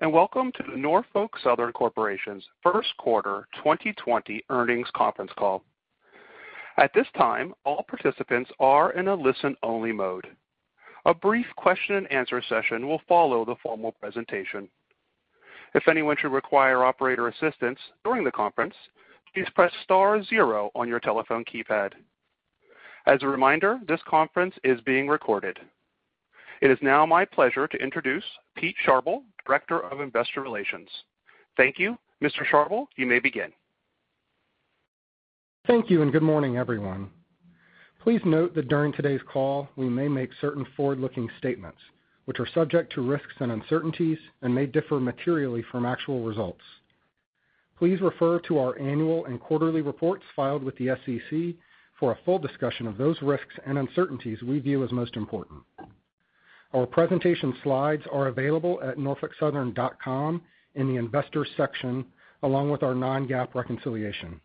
Greetings, welcome to the Norfolk Southern Corporation's First Quarter 2020 Earnings Conference Call. At this time, all participants are in a listen-only mode. A brief question-and-answer session will follow the formal presentation. If anyone should require operator assistance during the conference, please press star zero on your telephone keypad. As a reminder, this conference is being recorded. It is now my pleasure to introduce Peter Sharbel, Director of Investor Relations. Thank you. Mr. Sharbel, you may begin. Thank you, good morning, everyone. Please note that during today's call, we may make certain forward-looking statements which are subject to risks and uncertainties and may differ materially from actual results. Please refer to our annual and quarterly reports filed with the SEC for a full discussion of those risks and uncertainties we view as most important. Our presentation slides are available at norfolksouthern.com in the investor section, along with our non-GAAP reconciliation.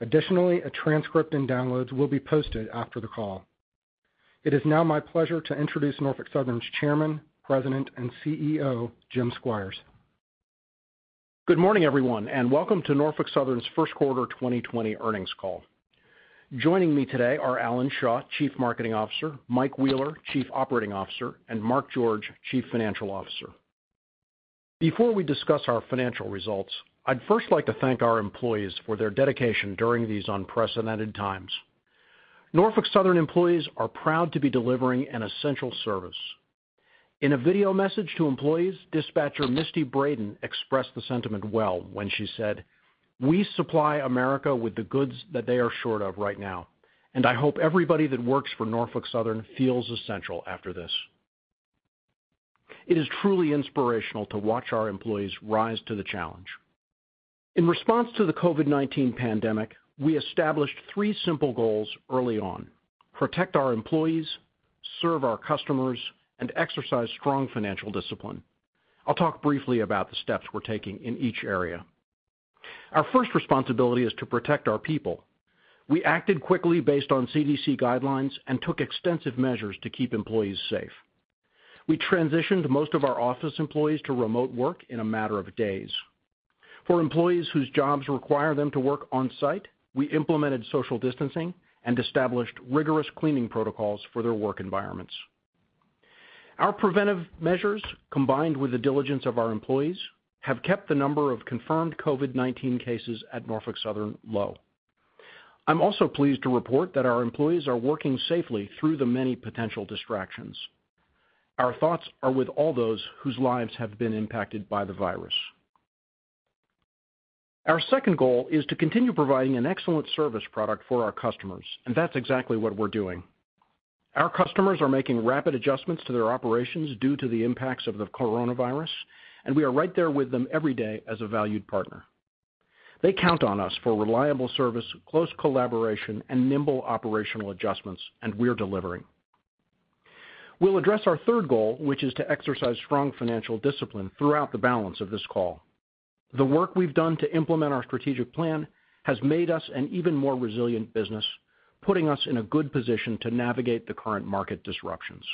Additionally, a transcript and downloads will be posted after the call. It is now my pleasure to introduce Norfolk Southern's Chairman, President, and CEO, Jim Squires. Good morning, everyone, and welcome to Norfolk Southern's first quarter 2020 earnings call. Joining me today are Alan Shaw, Chief Marketing Officer, Mike Wheeler, Chief Operating Officer, and Mark George, Chief Financial Officer. Before we discuss our financial results, I'd first like to thank our employees for their dedication during these unprecedented times. Norfolk Southern employees are proud to be delivering an essential service. In a video message to employees, dispatcher Misty Braden expressed the sentiment well when she said, "We supply America with the goods that they are short of right now, and I hope everybody that works for Norfolk Southern feels essential after this." It is truly inspirational to watch our employees rise to the challenge. In response to the COVID-19 pandemic, we established three simple goals early on: protect our employees, serve our customers, and exercise strong financial discipline. I'll talk briefly about the steps we're taking in each area. Our first responsibility is to protect our people. We acted quickly based on CDC guidelines and took extensive measures to keep employees safe. We transitioned most of our office employees to remote work in a matter of days. For employees whose jobs require them to work on-site, we implemented social distancing and established rigorous cleaning protocols for their work environments. Our preventive measures, combined with the diligence of our employees, have kept the number of confirmed COVID-19 cases at Norfolk Southern low. I'm also pleased to report that our employees are working safely through the many potential distractions. Our thoughts are with all those whose lives have been impacted by the virus. Our second goal is to continue providing an excellent service product for our customers. That's exactly what we're doing. Our customers are making rapid adjustments to their operations due to the impacts of the coronavirus, and we are right there with them every day as a valued partner. They count on us for reliable service, close collaboration, and nimble operational adjustments, and we're delivering. We'll address our third goal, which is to exercise strong financial discipline, throughout the balance of this call. The work we've done to implement our strategic plan has made us an even more resilient business, putting us in a good position to navigate the current market disruptions.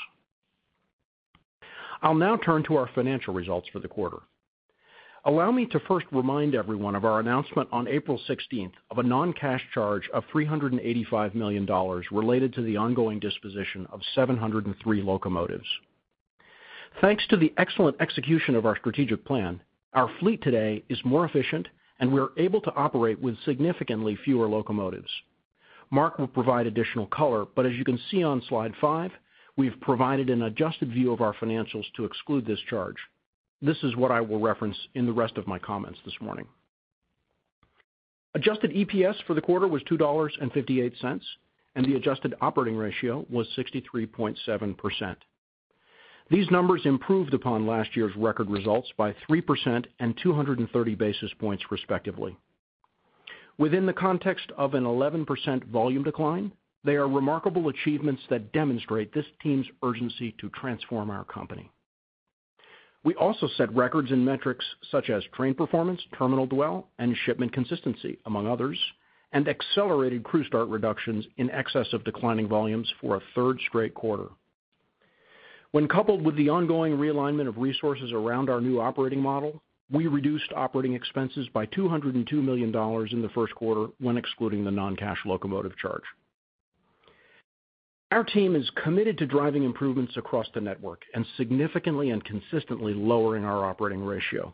I'll now turn to our financial results for the quarter. Allow me to first remind everyone of our announcement on April 16th of a non-cash charge of $385 million related to the ongoing disposition of 703 locomotives. Thanks to the excellent execution of our strategic plan, our fleet today is more efficient and we're able to operate with significantly fewer locomotives. Mark will provide additional color. As you can see on slide five, we've provided an adjusted view of our financials to exclude this charge. This is what I will reference in the rest of my comments this morning. Adjusted EPS for the quarter was $2.58. The adjusted operating ratio was 63.7%. These numbers improved upon last year's record results by 3% and 230 basis points, respectively. Within the context of an 11% volume decline, they are remarkable achievements that demonstrate this team's urgency to transform our company. We also set records in metrics such as train performance, terminal dwell, and shipment consistency, among others, and accelerated crew start reductions in excess of declining volumes for a third straight quarter. When coupled with the ongoing realignment of resources around our new operating model, we reduced operating expenses by $202 million in the first quarter when excluding the non-cash locomotive charge. Our team is committed to driving improvements across the network and significantly and consistently lowering our operating ratio.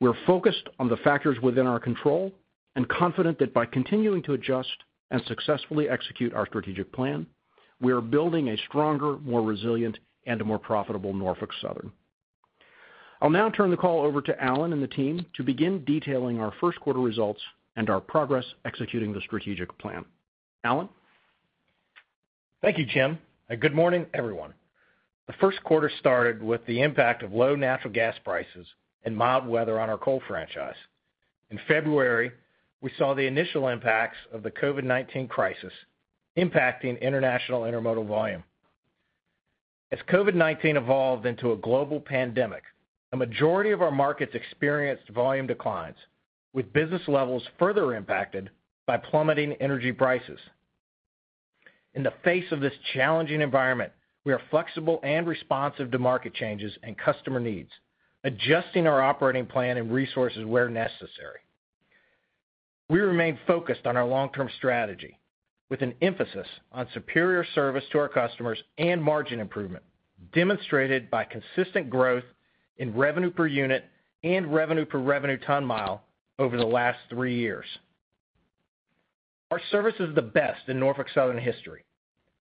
We're focused on the factors within our control and confident that by continuing to adjust and successfully execute our strategic plan, we are building a stronger, more resilient, and a more profitable Norfolk Southern. I'll now turn the call over to Alan and the team to begin detailing our first quarter results and our progress executing the strategic plan. Alan? Thank you, Jim, and good morning, everyone. The first quarter started with the impact of low natural gas prices and mild weather on our coal franchise. In February, we saw the initial impacts of the COVID-19 crisis impacting international intermodal volume. As COVID-19 evolved into a global pandemic, a majority of our markets experienced volume declines, with business levels further impacted by plummeting energy prices. In the face of this challenging environment, we are flexible and responsive to market changes and customer needs, adjusting our operating plan and resources where necessary. We remain focused on our long-term strategy, with an emphasis on superior service to our customers and margin improvement, demonstrated by consistent growth in revenue per unit and revenue per revenue ton-mile over the last three years. Our service is the best in Norfolk Southern history,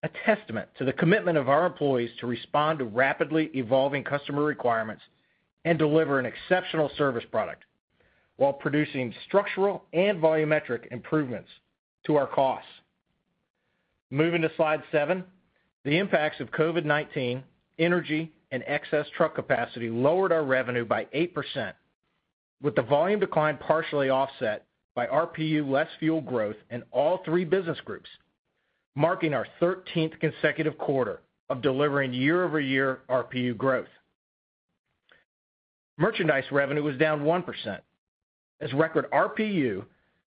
a testament to the commitment of our employees to respond to rapidly evolving customer requirements and deliver an exceptional service product while producing structural and volumetric improvements to our costs. Moving to slide seven. The impacts of COVID-19, energy, and excess truck capacity lowered our revenue by 8%, with the volume decline partially offset by RPU less fuel growth in all three business groups, marking our 13th consecutive quarter of delivering year-over-year RPU growth. Merchandise revenue was down 1% as record RPU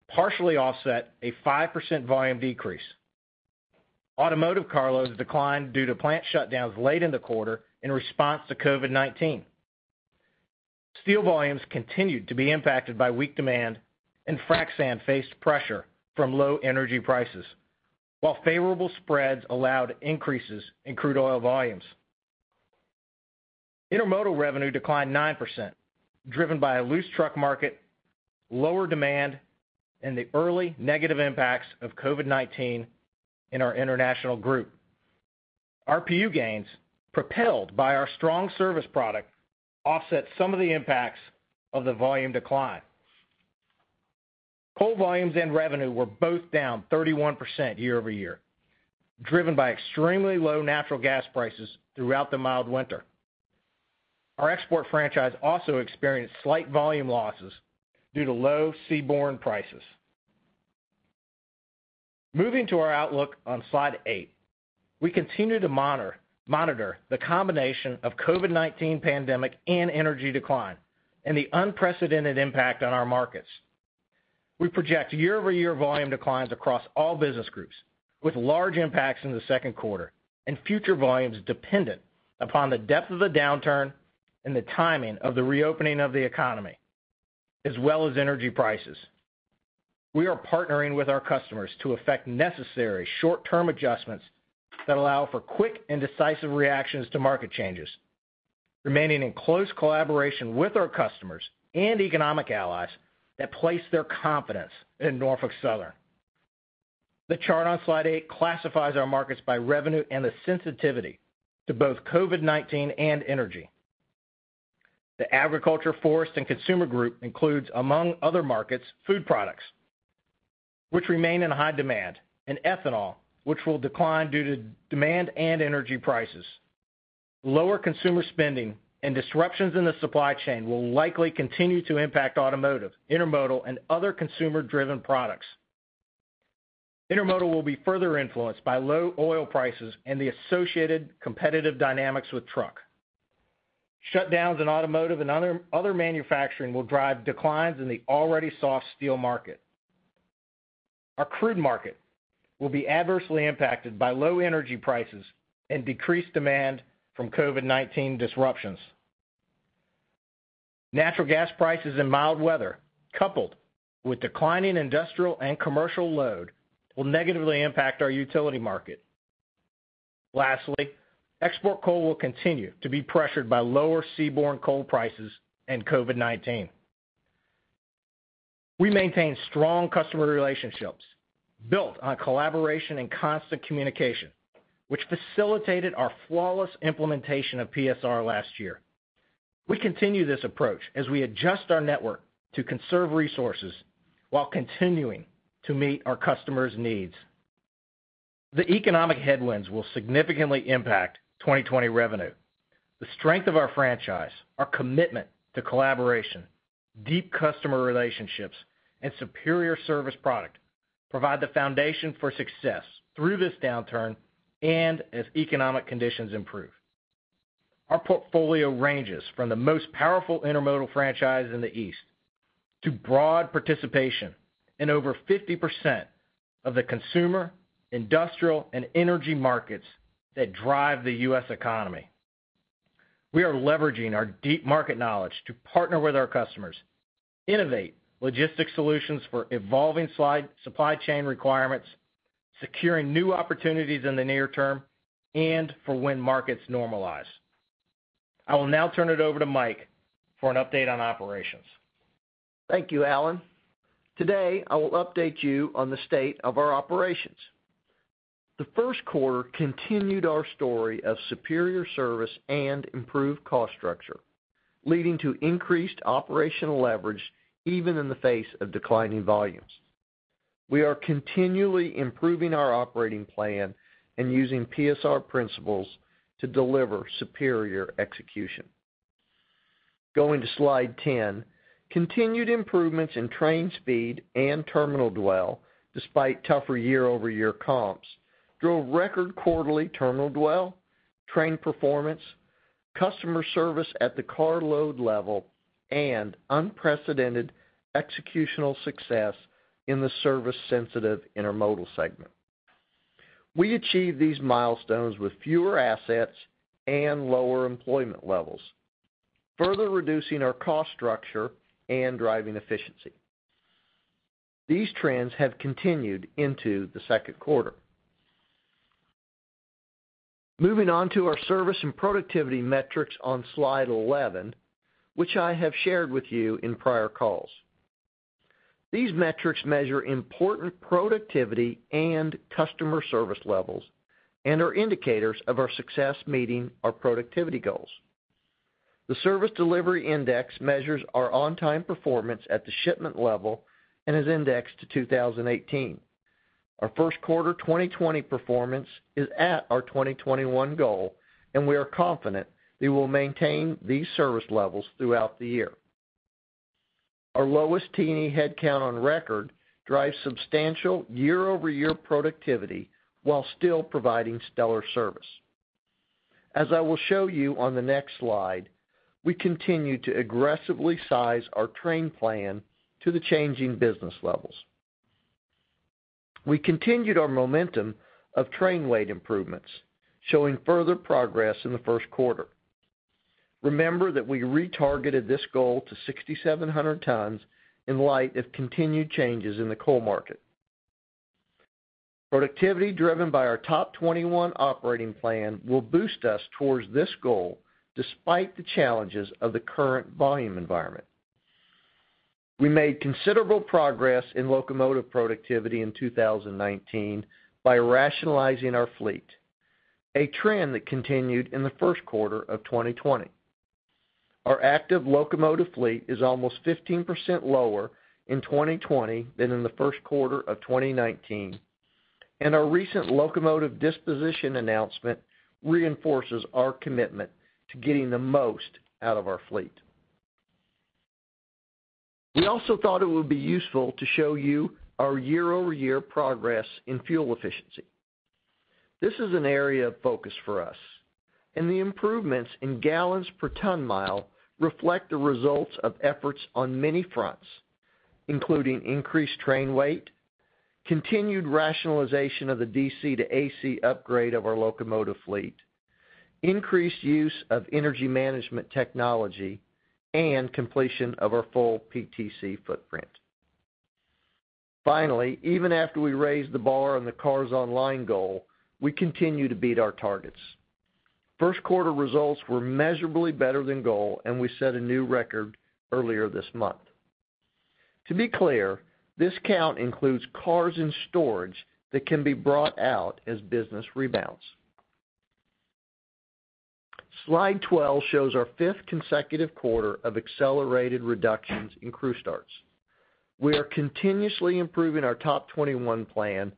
partially offset a 5% volume decrease. Automotive car loads declined due to plant shutdowns late in the quarter in response to COVID-19. Steel volumes continued to be impacted by weak demand, and frac sand faced pressure from low energy prices, while favorable spreads allowed increases in crude oil volumes. Intermodal revenue declined 9%, driven by a loose truck market, lower demand, and the early negative impacts of COVID-19 in our international group. RPU gains, propelled by our strong service product, offset some of the impacts of the volume decline. Coal volumes and revenue were both down 31% year-over-year, driven by extremely low natural gas prices throughout the mild winter. Our export franchise also experienced slight volume losses due to low seaborne prices. Moving to our outlook on Slide 8. We continue to monitor the combination of COVID-19 pandemic and energy decline and the unprecedented impact on our markets. We project year-over-year volume declines across all business groups, with large impacts in the second quarter and future volumes dependent upon the depth of the downturn and the timing of the reopening of the economy, as well as energy prices. We are partnering with our customers to effect necessary short-term adjustments that allow for quick and decisive reactions to market changes, remaining in close collaboration with our customers and economic allies that place their confidence in Norfolk Southern. The chart on Slide eight classifies our markets by revenue and the sensitivity to both COVID-19 and energy. The agriculture, forest, and consumer group includes, among other markets, food products, which remain in high demand, and ethanol, which will decline due to demand and energy prices. Lower consumer spending and disruptions in the supply chain will likely continue to impact automotive, intermodal, and other consumer-driven products. Intermodal will be further influenced by low oil prices and the associated competitive dynamics with truck. Shutdowns in automotive and other manufacturing will drive declines in the already soft steel market. Our crude market will be adversely impacted by low energy prices and decreased demand from COVID-19 disruptions. Natural gas prices and mild weather, coupled with declining industrial and commercial load, will negatively impact our utility market. Lastly, export coal will continue to be pressured by lower seaborne coal prices and COVID-19. We maintain strong customer relationships built on collaboration and constant communication, which facilitated our flawless implementation of PSR last year. We continue this approach as we adjust our network to conserve resources while continuing to meet our customers' needs. The economic headwinds will significantly impact 2020 revenue. The strength of our franchise, our commitment to collaboration, deep customer relationships, and superior service product provide the foundation for success through this downturn and as economic conditions improve. Our portfolio ranges from the most powerful intermodal franchise in the East to broad participation in over 50% of the consumer, industrial, and energy markets that drive the U.S. economy. We are leveraging our deep market knowledge to partner with our customers, innovate logistic solutions for evolving supply chain requirements, securing new opportunities in the near term, and for when markets normalize. I will now turn it over to Mike for an update on operations. Thank you, Alan. Today, I will update you on the state of our operations. The first quarter continued our story of superior service and improved cost structure, leading to increased operational leverage even in the face of declining volumes. We are continually improving our operating plan and using PSR principles to deliver superior execution. Going to Slide 10. Continued improvements in train speed and terminal dwell despite tougher year-over-year comps drove record quarterly terminal dwell, train performance, customer service at the car load level and unprecedented executional success in the service-sensitive intermodal segment. We achieve these milestones with fewer assets and lower employment levels, further reducing our cost structure and driving efficiency. These trends have continued into the second quarter. Moving on to our service and productivity metrics on slide 11, which I have shared with you in prior calls. These metrics measure important productivity and customer service levels and are indicators of our success meeting our productivity goals. The Service Delivery Index measures our on-time performance at the shipment level and is indexed to 2018. Our first quarter 2020 performance is at our 2021 goal, and we are confident we will maintain these service levels throughout the year. Our lowest T&E headcount on record drives substantial year-over-year productivity while still providing stellar service. As I will show you on the next slide, we continue to aggressively size our train plan to the changing business levels. We continued our momentum of train weight improvements, showing further progress in the first quarter. Remember that we retargeted this goal to 6,700 tons in light of continued changes in the coal market. Productivity driven by our TOP21 operating plan will boost us towards this goal despite the challenges of the current volume environment. We made considerable progress in locomotive productivity in 2019 by rationalizing our fleet, a trend that continued in the first quarter of 2020. Our active locomotive fleet is almost 15% lower in 2020 than in the first quarter of 2019, and our recent locomotive disposition announcement reinforces our commitment to getting the most out of our fleet. We also thought it would be useful to show you our year-over-year progress in fuel efficiency. This is an area of focus for us, and the improvements in gallons per ton mile reflect the results of efforts on many fronts, including increased train weight, continued rationalization of the DC to AC upgrade of our locomotive fleet, increased use of energy management technology, and completion of our full PTC footprint. Even after we raised the bar on the cars online goal, we continue to beat our targets. First quarter results were measurably better than goal, and we set a new record earlier this month. To be clear, this count includes cars in storage that can be brought out as business rebounds. Slide 12 shows our fifth consecutive quarter of accelerated reductions in crew starts. We are continuously improving our TOP21 plan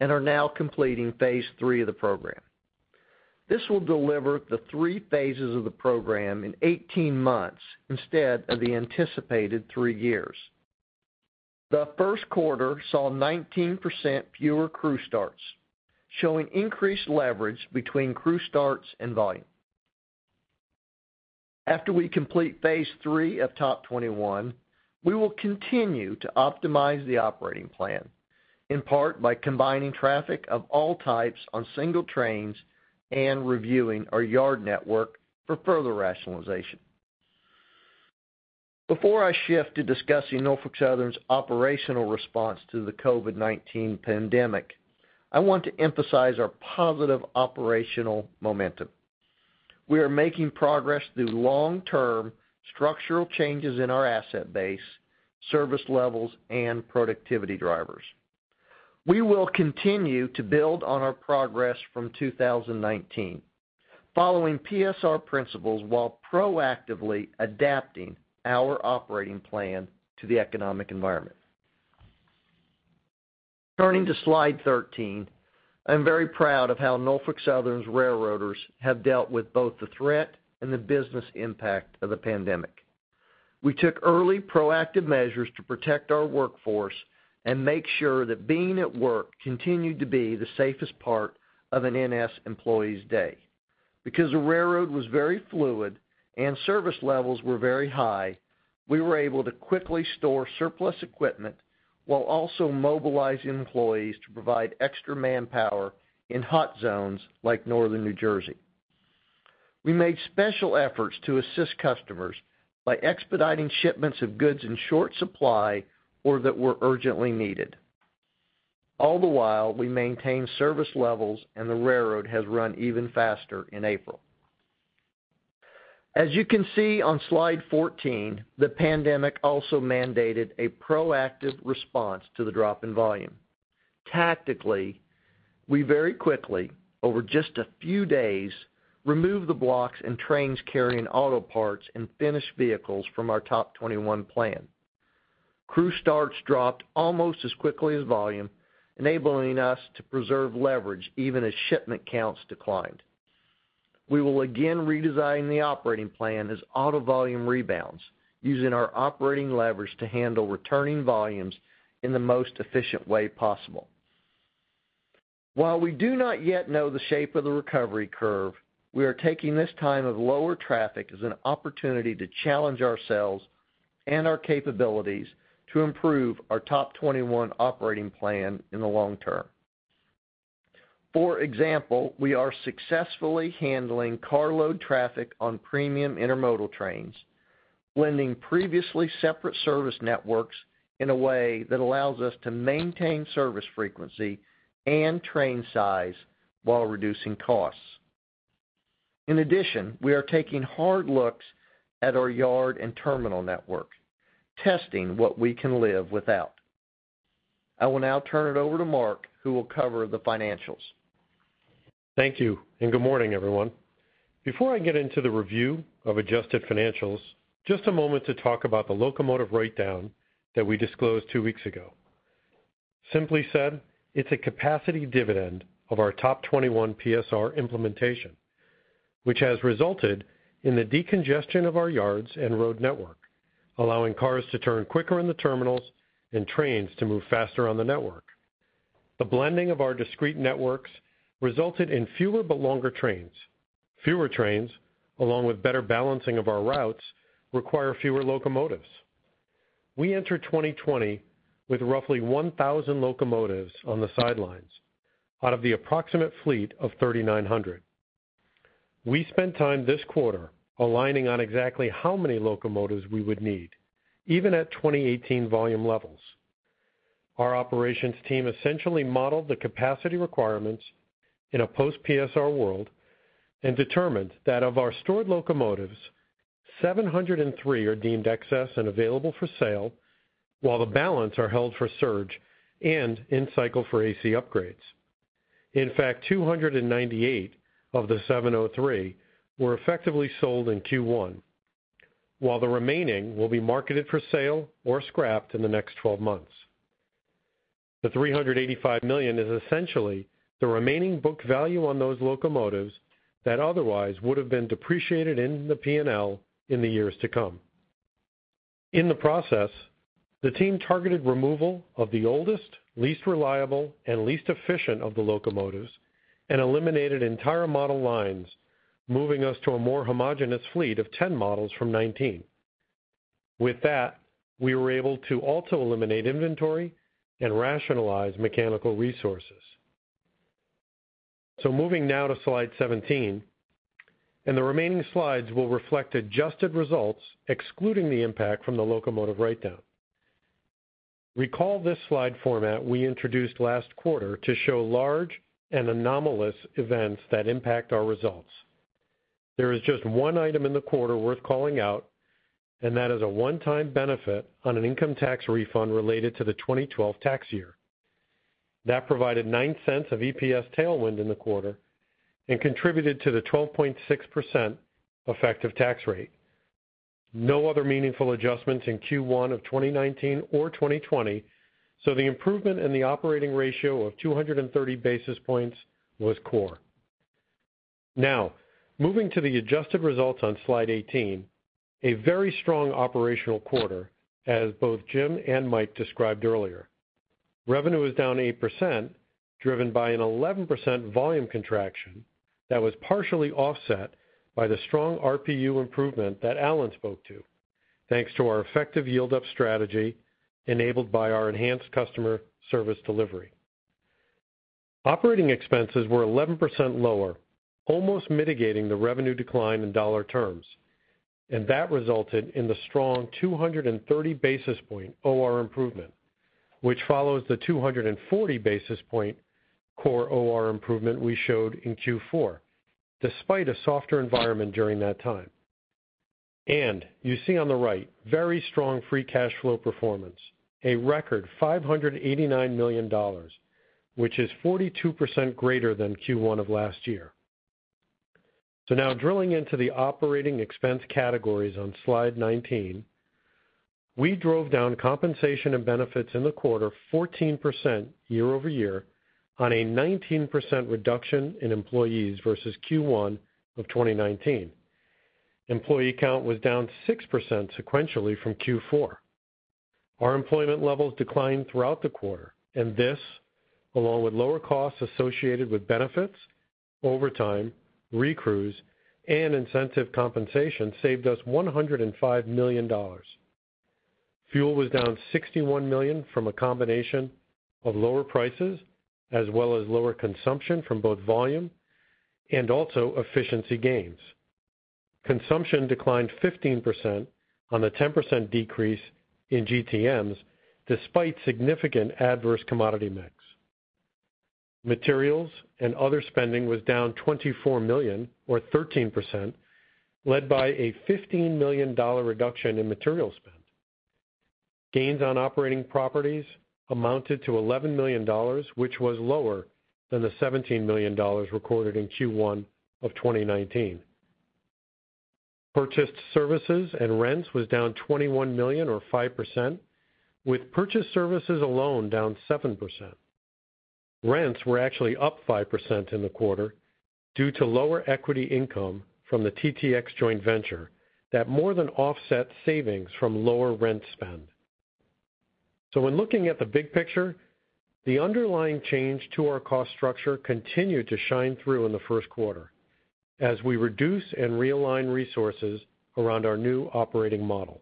and are now completing phase III of the program. This will deliver the three phases of the program in 18 months instead of the anticipated three years. The first quarter saw 19% fewer crew starts, showing increased leverage between crew starts and volume. After we complete phase III of TOP21, we will continue to optimize the operating plan, in part by combining traffic of all types on single trains and reviewing our yard network for further rationalization. Before I shift to discussing Norfolk Southern's operational response to the COVID-19 pandemic, I want to emphasize our positive operational momentum. We are making progress through long-term structural changes in our asset base, service levels, and productivity drivers. We will continue to build on our progress from 2019, following PSR principles while proactively adapting our operating plan to the economic environment. Turning to slide 13, I'm very proud of how Norfolk Southern's railroaders have dealt with both the threat and the business impact of the pandemic. We took early proactive measures to protect our workforce and make sure that being at work continued to be the safest part of an NS employee's day. Because the railroad was very fluid and service levels were very high, we were able to quickly store surplus equipment while also mobilizing employees to provide extra manpower in hot zones like Northern New Jersey. We made special efforts to assist customers by expediting shipments of goods in short supply or that were urgently needed. All the while, we maintained service levels, and the railroad has run even faster in April. As you can see on slide 14, the pandemic also mandated a proactive response to the drop in volume. Tactically, we very quickly, over just a few days, removed the blocks and trains carrying auto parts and finished vehicles from our TOP21 plan. Crew starts dropped almost as quickly as volume, enabling us to preserve leverage even as shipment counts declined. We will again redesign the operating plan as auto volume rebounds, using our operating leverage to handle returning volumes in the most efficient way possible. While we do not yet know the shape of the recovery curve, we are taking this time of lower traffic as an opportunity to challenge ourselves and our capabilities to improve our TOP21 operating plan in the long term. For example, we are successfully handling carload traffic on premium intermodal trains, blending previously separate service networks in a way that allows us to maintain service frequency and train size while reducing costs. In addition, we are taking hard looks at our yard and terminal network, testing what we can live without. I will now turn it over to Mark, who will cover the financials. Thank you. Good morning, everyone. Before I get into the review of adjusted financials, just a moment to talk about the locomotive write-down that we disclosed two weeks ago. Simply said, it's a capacity dividend of our TOP21 PSR implementation, which has resulted in the decongestion of our yards and road network, allowing cars to turn quicker in the terminals and trains to move faster on the network. The blending of our discrete networks resulted in fewer but longer trains. Fewer trains, along with better balancing of our routes, require fewer locomotives. We enter 2020 with roughly 1,000 locomotives on the sidelines, out of the approximate fleet of 3,900. We spent time this quarter aligning on exactly how many locomotives we would need, even at 2018 volume levels. Our operations team essentially modeled the capacity requirements in a post-PSR world and determined that of our stored locomotives, 703 are deemed excess and available for sale, while the balance are held for surge and in cycle for AC upgrades. 298 of the 703 were effectively sold in Q1, while the remaining will be marketed for sale or scrapped in the next 12 months. The $385 million is essentially the remaining book value on those locomotives that otherwise would have been depreciated in the P&L in the years to come. In the process, the team targeted removal of the oldest, least reliable, and least efficient of the locomotives and eliminated entire model lines, moving us to a more homogenous fleet of 10 models from 19. We were able to also eliminate inventory and rationalize mechanical resources. Moving now to slide 17, and the remaining slides will reflect adjusted results, excluding the impact from the locomotive write-down. Recall this slide format we introduced last quarter to show large and anomalous events that impact our results. There is just one item in the quarter worth calling out, and that is a one-time benefit on an income tax refund related to the 2012 tax year. That provided $0.09 of EPS tailwind in the quarter and contributed to the 12.6% effective tax rate. No other meaningful adjustments in Q1 of 2019 or 2020, so the improvement in the operating ratio of 230 basis points was core. Moving to the adjusted results on slide 18, a very strong operational quarter, as both Jim and Mike described earlier. Revenue was down 8%, driven by an 11% volume contraction that was partially offset by the strong RPU improvement that Alan spoke to, thanks to our effective yield-up strategy enabled by our enhanced customer service delivery. Operating expenses were 11% lower, almost mitigating the revenue decline in dollar terms, that resulted in the strong 230 basis point OR improvement, which follows the 240 basis point core OR improvement we showed in Q4, despite a softer environment during that time. You see on the right, very strong free cash flow performance, a record $589 million, which is 42% greater than Q1 of last year. Now drilling into the operating expense categories on slide 19, we drove down compensation and benefits in the quarter 14% year-over-year on a 19% reduction in employees versus Q1 of 2019. Employee count was down 6% sequentially from Q4. Our employment levels declined throughout the quarter, and this, along with lower costs associated with benefits, overtime, recrews, and incentive compensation, saved us $105 million. Fuel was down $61 million from a combination of lower prices as well as lower consumption from both volume and also efficiency gains. Consumption declined 15% on a 10% decrease in GTMs despite significant adverse commodity mix. Materials and other spending was down $24 million or 13%, led by a $15 million reduction in material spend. Gains on operating properties amounted to $11 million, which was lower than the $17 million recorded in Q1 of 2019. Purchased services and rents was down $21 million or 5%, with purchased services alone down 7%. Rents were actually up 5% in the quarter due to lower equity income from the TTX joint venture that more than offset savings from lower rent spend. When looking at the big picture, the underlying change to our cost structure continued to shine through in the first quarter as we reduce and realign resources around our new operating model.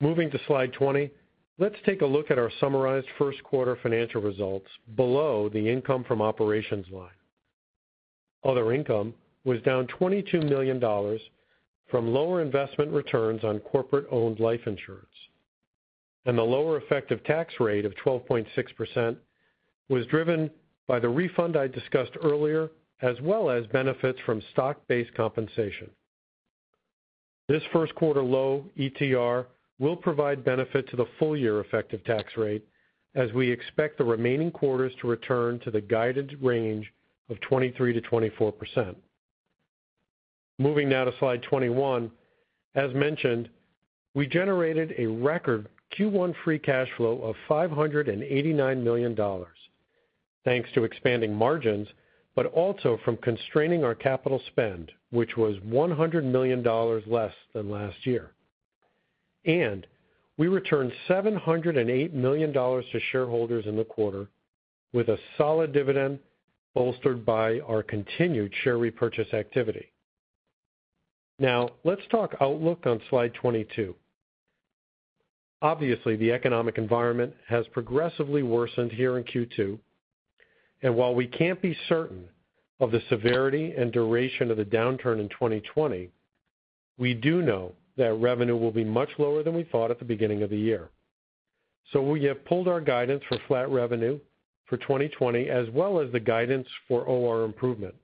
Moving to slide 20, let's take a look at our summarized first quarter financial results below the income from operations line. Other income was down $22 million from lower investment returns on corporate-owned life insurance, and the lower effective tax rate of 12.6% was driven by the refund I discussed earlier, as well as benefits from stock-based compensation. This first quarter low ETR will provide benefit to the full year effective tax rate as we expect the remaining quarters to return to the guided range of 23%-24%. Moving now to slide 21, as mentioned, we generated a record Q1 free cash flow of $589 million thanks to expanding margins, but also from constraining our capital spend, which was $100 million less than last year. We returned $708 million to shareholders in the quarter with a solid dividend bolstered by our continued share repurchase activity. Let's talk outlook on Slide 22. Obviously, the economic environment has progressively worsened here in Q2, and while we can't be certain of the severity and duration of the downturn in 2020, we do know that revenue will be much lower than we thought at the beginning of the year. We have pulled our guidance for flat revenue for 2020, as well as the guidance for OR improvement.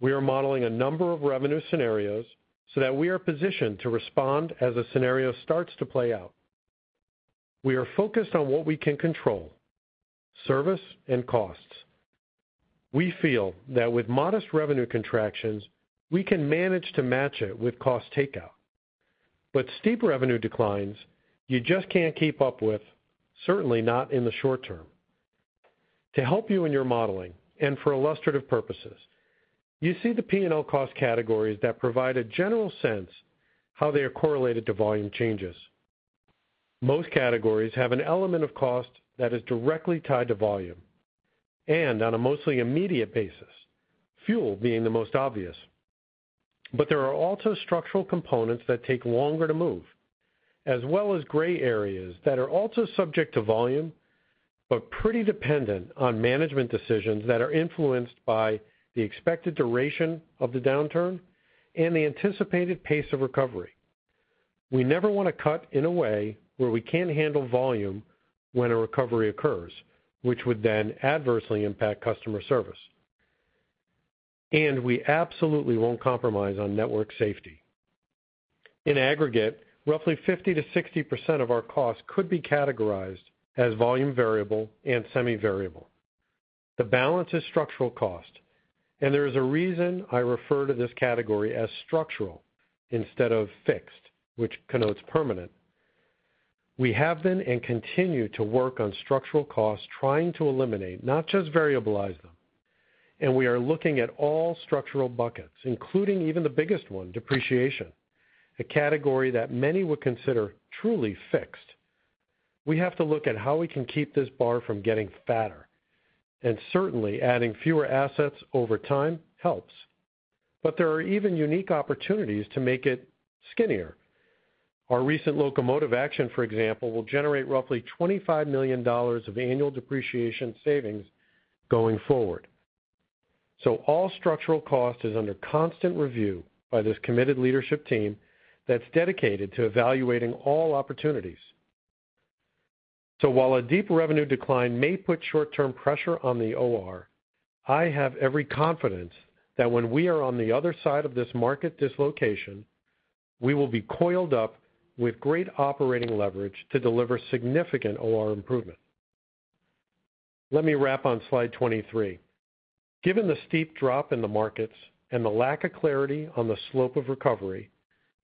We are modeling a number of revenue scenarios so that we are positioned to respond as a scenario starts to play out. We are focused on what we can control: service and costs. We feel that with modest revenue contractions, we can manage to match it with cost takeout. Steep revenue declines, you just can't keep up with, certainly not in the short term. To help you in your modeling and for illustrative purposes, you see the P&L cost categories that provide a general sense how they are correlated to volume changes. Most categories have an element of cost that is directly tied to volume, and on a mostly immediate basis, fuel being the most obvious. There are also structural components that take longer to move, as well as gray areas that are also subject to volume, but pretty dependent on management decisions that are influenced by the expected duration of the downturn and the anticipated pace of recovery. We never want to cut in a way where we can't handle volume when a recovery occurs, which would then adversely impact customer service. We absolutely won't compromise on network safety. In aggregate, roughly 50%-60% of our costs could be categorized as volume variable and semi-variable. The balance is structural cost, and there is a reason I refer to this category as structural instead of fixed, which connotes permanent. We have been and continue to work on structural costs, trying to eliminate, not just variabilize them. We are looking at all structural buckets, including even the biggest one, depreciation, a category that many would consider truly fixed. We have to look at how we can keep this bar from getting fatter, and certainly adding fewer assets over time helps. There are even unique opportunities to make it skinnier. Our recent locomotive action, for example, will generate roughly $25 million of annual depreciation savings going forward. All structural cost is under constant review by this committed leadership team that's dedicated to evaluating all opportunities. While a deep revenue decline may put short-term pressure on the OR, I have every confidence that when we are on the other side of this market dislocation, we will be coiled up with great operating leverage to deliver significant OR improvement. Let me wrap on slide 23. Given the steep drop in the markets and the lack of clarity on the slope of recovery,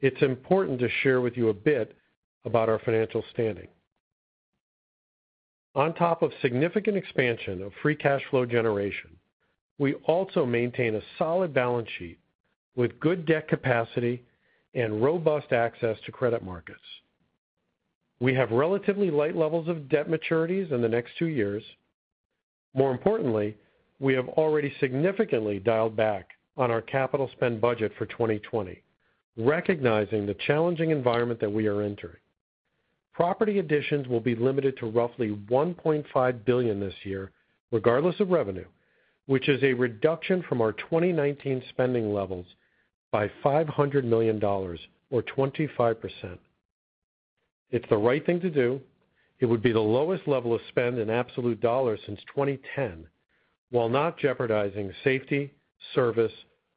it's important to share with you a bit about our financial standing. On top of significant expansion of free cash flow generation, we also maintain a solid balance sheet with good debt capacity and robust access to credit markets. We have relatively light levels of debt maturities in the next two years. More importantly, we have already significantly dialed back on our capital spend budget for 2020, recognizing the challenging environment that we are entering. Property additions will be limited to roughly $1.5 billion this year, regardless of revenue, which is a reduction from our 2019 spending levels by $500 million or 25%. It's the right thing to do. It would be the lowest level of spend in absolute dollars since 2010, while not jeopardizing safety, service,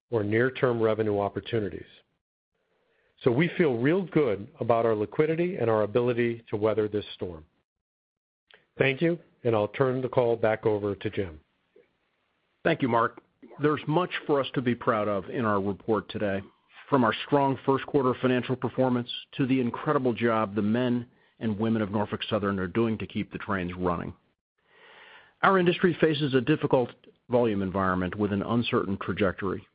or near-term revenue opportunities. We feel real good about our liquidity and our ability to weather this storm. Thank you, and I'll turn the call back over to Jim. Thank you, Mark. There's much for us to be proud of in our report today, from our strong first quarter financial performance to the incredible job the men and women of Norfolk Southern are doing to keep the trains running. Our industry faces a difficult volume environment with an uncertain trajectory.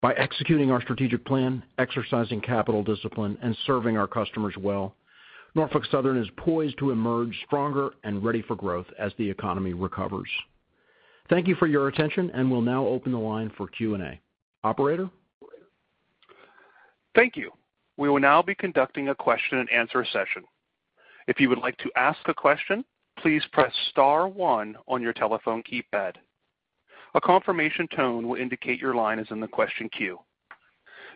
By executing our strategic plan, exercising capital discipline, and serving our customers well, Norfolk Southern is poised to emerge stronger and ready for growth as the economy recovers. Thank you for your attention, and we'll now open the line for Q&A. Operator? Thank you. We will now be conducting a question and answer session. If you would like to ask a question, please press star one on your telephone keypad. A confirmation tone will indicate your line is in the question queue.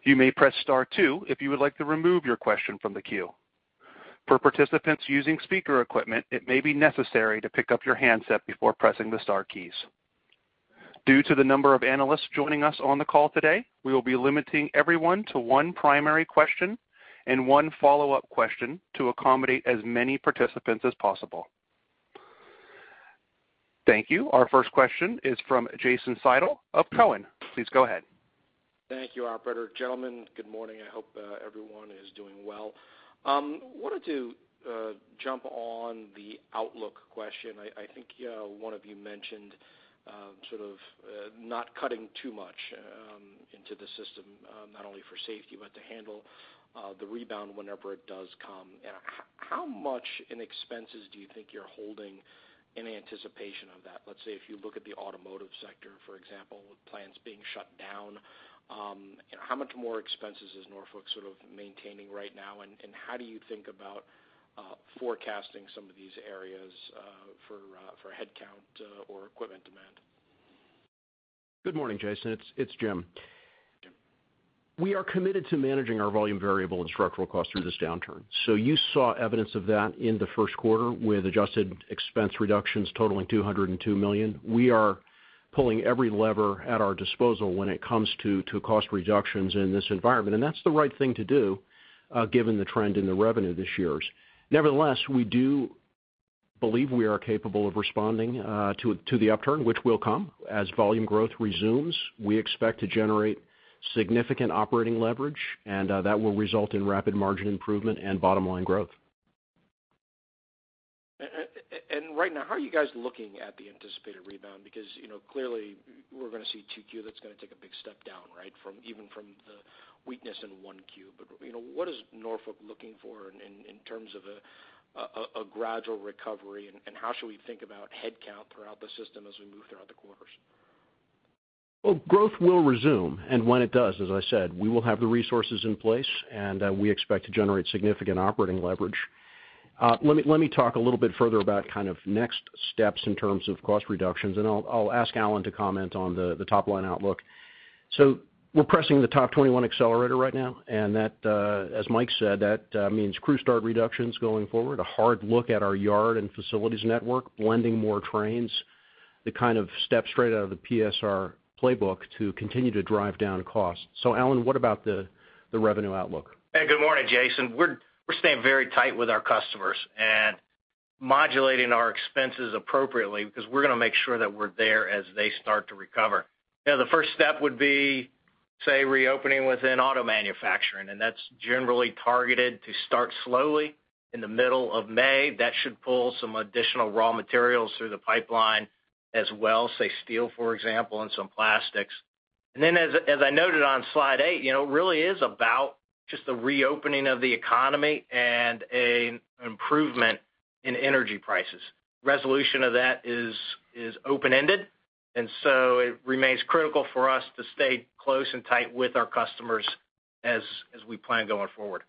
You may press star two if you would like to remove your question from the queue. For participants using speaker equipment, it may be necessary to pick up your handset before pressing the star keys. Due to the number of analysts joining us on the call today, we will be limiting everyone to one primary question and one follow-up question to accommodate as many participants as possible. Thank you. Our first question is from Jason Seidl of Cowen. Please go ahead. Thank you, operator. Gentlemen, good morning. I hope everyone is doing well. I wanted to jump on the outlook question. I think one of you mentioned sort of not cutting too much into the system, not only for safety, but to handle the rebound whenever it does come. How much in expenses do you think you're holding in anticipation of that? Let's say if you look at the automotive sector, for example, with plants being shut down, how much more expenses is Norfolk Southern maintaining right now, and how do you think about forecasting some of these areas for headcount or equipment demand? Good morning, Jason. It's Jim. We are committed to managing our volume variable and structural costs through this downturn. You saw evidence of that in the first quarter with adjusted expense reductions totaling $202 million. We are pulling every lever at our disposal when it comes to cost reductions in this environment, and that's the right thing to do given the trend in the revenue this year. Nevertheless, we do believe we are capable of responding to the upturn, which will come as volume growth resumes. We expect to generate significant operating leverage, and that will result in rapid margin improvement and bottom-line growth. Right now, how are you guys looking at the anticipated rebound? Clearly we're going to see 2Q, that's going to take a big step down, right, even from the weakness in 1Q. What is Norfolk looking for in terms of a gradual recovery, and how should we think about headcount throughout the system as we move throughout the quarters? Well, growth will resume, and when it does, as I said, we will have the resources in place, and we expect to generate significant operating leverage. Let me talk a little bit further about kind of next steps in terms of cost reductions, and I'll ask Alan to comment on the top-line outlook. We're pressing the TOP21 accelerator right now, and as Mike said, that means crew start reductions going forward, a hard look at our yard and facilities network, blending more trains, the kind of steps straight out of the PSR playbook to continue to drive down costs. Alan, what about the revenue outlook? Hey, good morning, Jason. We're staying very tight with our customers and modulating our expenses appropriately because we're going to make sure that we're there as they start to recover. The first step would be, say, reopening within auto manufacturing, and that's generally targeted to start slowly in the middle of May. That should pull some additional raw materials through the pipeline as well. Say, steel, for example, and some plastics. Then, as I noted on slide eight, it really is about just the reopening of the economy and an improvement in energy prices. Resolution of that is open-ended, so it remains critical for us to stay close and tight with our customers as we plan going forward.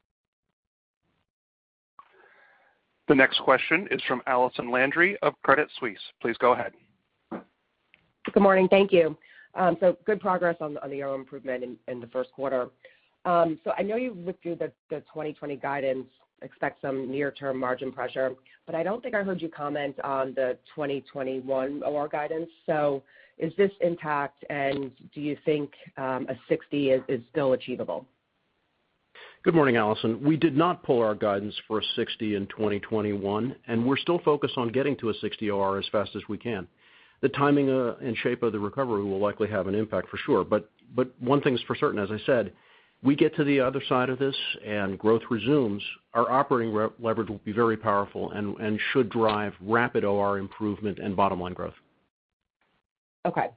The next question is from Allison Landry of Credit Suisse. Please go ahead. Good morning. Thank you. Good progress on the yield improvement in the first quarter. I know you've looked through the 2020 guidance, expect some near-term margin pressure, but I don't think I heard you comment on the 2021 OR guidance. Is this intact, and do you think a 60 is still achievable? Good morning, Allison. We did not pull our guidance for a 60 in 2021, and we're still focused on getting to a 60 OR as fast as we can. The timing and shape of the recovery will likely have an impact for sure, but one thing's for certain, as I said, we get to the other side of this and growth resumes, our operating leverage will be very powerful and should drive rapid OR improvement and bottom-line growth. Okay.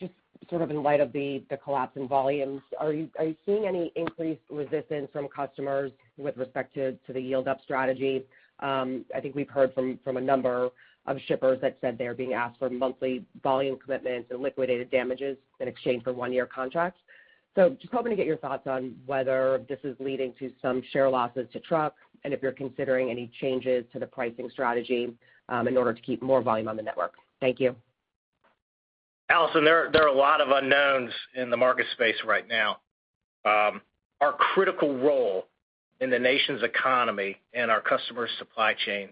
Just sort of in light of the collapse in volumes, are you seeing any increased resistance from customers with respect to the yield-up strategy? I think we've heard from a number of shippers that said they're being asked for monthly volume commitments and liquidated damages in exchange for one-year contracts. Just hoping to get your thoughts on whether this is leading to some share losses to truck and if you're considering any changes to the pricing strategy in order to keep more volume on the network. Thank you. Allison, there are a lot of unknowns in the market space right now. Our critical role in the nation's economy and our customers' supply chains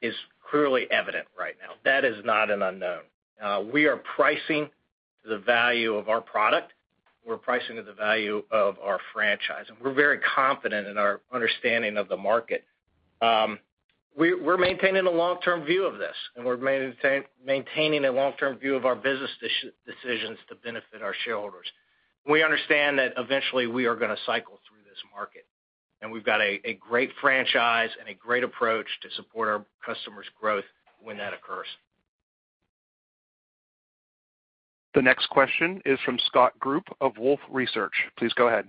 is clearly evident right now. That is not an unknown. We are pricing to the value of our product. We're pricing to the value of our franchise, and we're very confident in our understanding of the market. We're maintaining a long-term view of this, and we're maintaining a long-term view of our business decisions to benefit our shareholders. We understand that eventually we are going to cycle through this market. We've got a great franchise and a great approach to support our customers' growth when that occurs. The next question is from Scott Group of Wolfe Research. Please go ahead.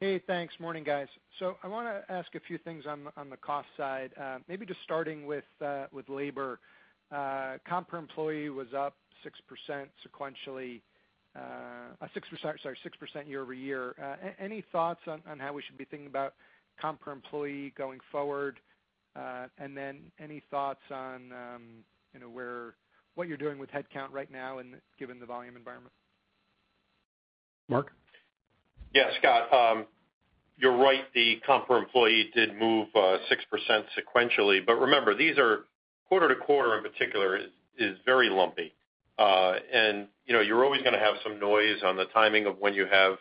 Hey, thanks. Morning, guys. I want to ask a few things on the cost side, maybe just starting with labor. Comp per employee was up 6% year-over-year. Any thoughts on how we should be thinking about comp per employee going forward? Any thoughts on what you're doing with headcount right now given the volume environment? Mark? Scott, you're right, the comp per employee did move 6% sequentially, but remember, these are quarter to quarter in particular is very lumpy. You're always going to have some noise on the timing of when you have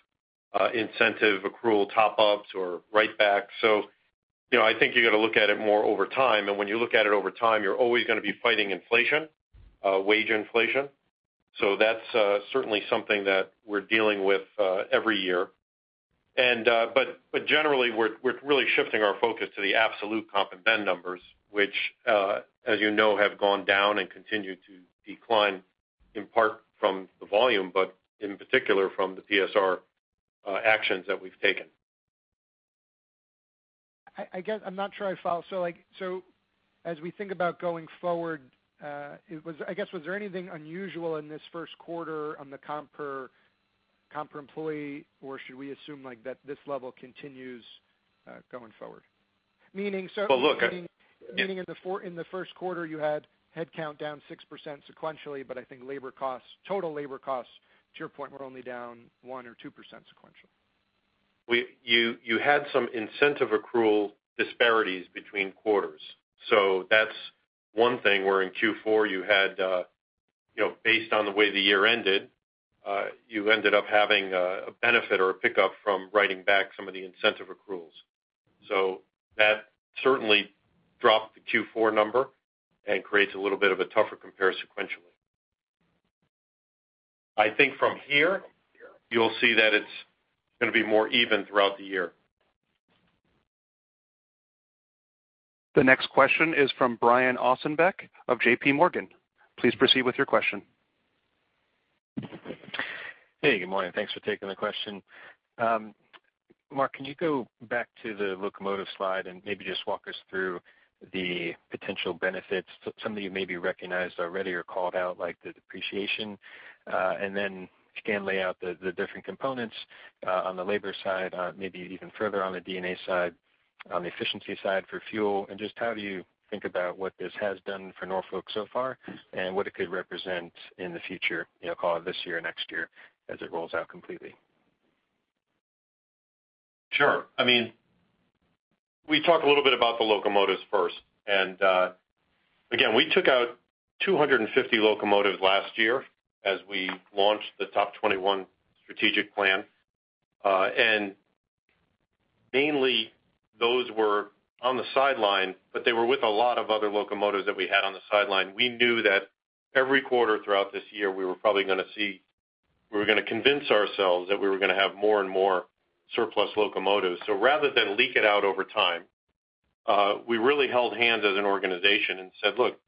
incentive accrual top-ups or write-backs. I think you got to look at it more over time, and when you look at it over time, you're always going to be fighting inflation, wage inflation. That's certainly something that we're dealing with every year. Generally, we're really shifting our focus to the absolute comp and ben numbers, which, as you know, have gone down and continue to decline in part from the volume, but in particular from the PSR actions that we've taken. I'm not sure I follow. As we think about going forward, I guess was there anything unusual in this first quarter on the comp per employee, or should we assume that this level continues going forward? Well. Meaning in the first quarter, you had headcount down 6% sequentially, but I think total labor costs, to your point, were only down 1% or 2% sequentially. You had some incentive accrual disparities between quarters. That's one thing where in Q4, based on the way the year ended, you ended up having a benefit or a pickup from writing back some of the incentive accruals. That certainly dropped the Q4 number and creates a little bit of a tougher compare sequentially. I think from here, you'll see that it's going to be more even throughout the year. The next question is from Brian Ossenbeck of JPMorgan. Please proceed with your question. Hey, good morning. Thanks for taking the question. Mark, can you go back to the locomotive slide and maybe just walk us through the potential benefits? Some of you may be recognized already or called out, like the depreciation. If you can lay out the different components on the labor side, maybe even further on the D&A side, on the efficiency side for fuel, and just how do you think about what this has done for Norfolk so far, and what it could represent in the future, call it this year or next year, as it rolls out completely. Sure. Again, we took out 250 locomotives last year as we launched the TOP21 strategic plan. Mainly those were on the sideline, but they were with a lot of other locomotives that we had on the sideline. We knew that every quarter throughout this year, we were going to convince ourselves that we were going to have more and more surplus locomotives. Rather than leak it out over time, we really held hands as an organization and said, "Look,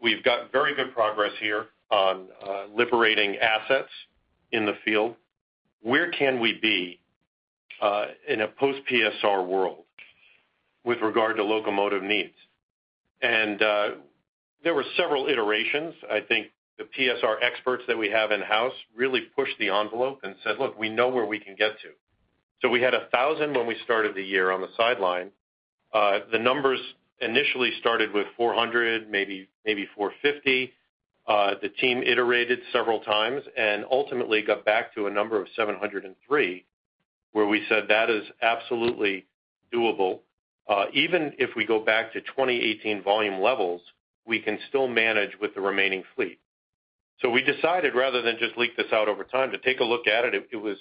we've got very good progress here on liberating assets in the field. Where can we be in a post-PSR world with regard to locomotive needs?" There were several iterations. I think the PSR experts that we have in-house really pushed the envelope and said, "Look, we know where we can get to." We had 1,000 when we started the year on the sideline. The numbers initially started with 400, maybe 450. The team iterated several times and ultimately got back to a number of 703, where we said, "That is absolutely doable. Even if we go back to 2018 volume levels, we can still manage with the remaining fleet." We decided rather than just leak this out over time to take a look at it. It was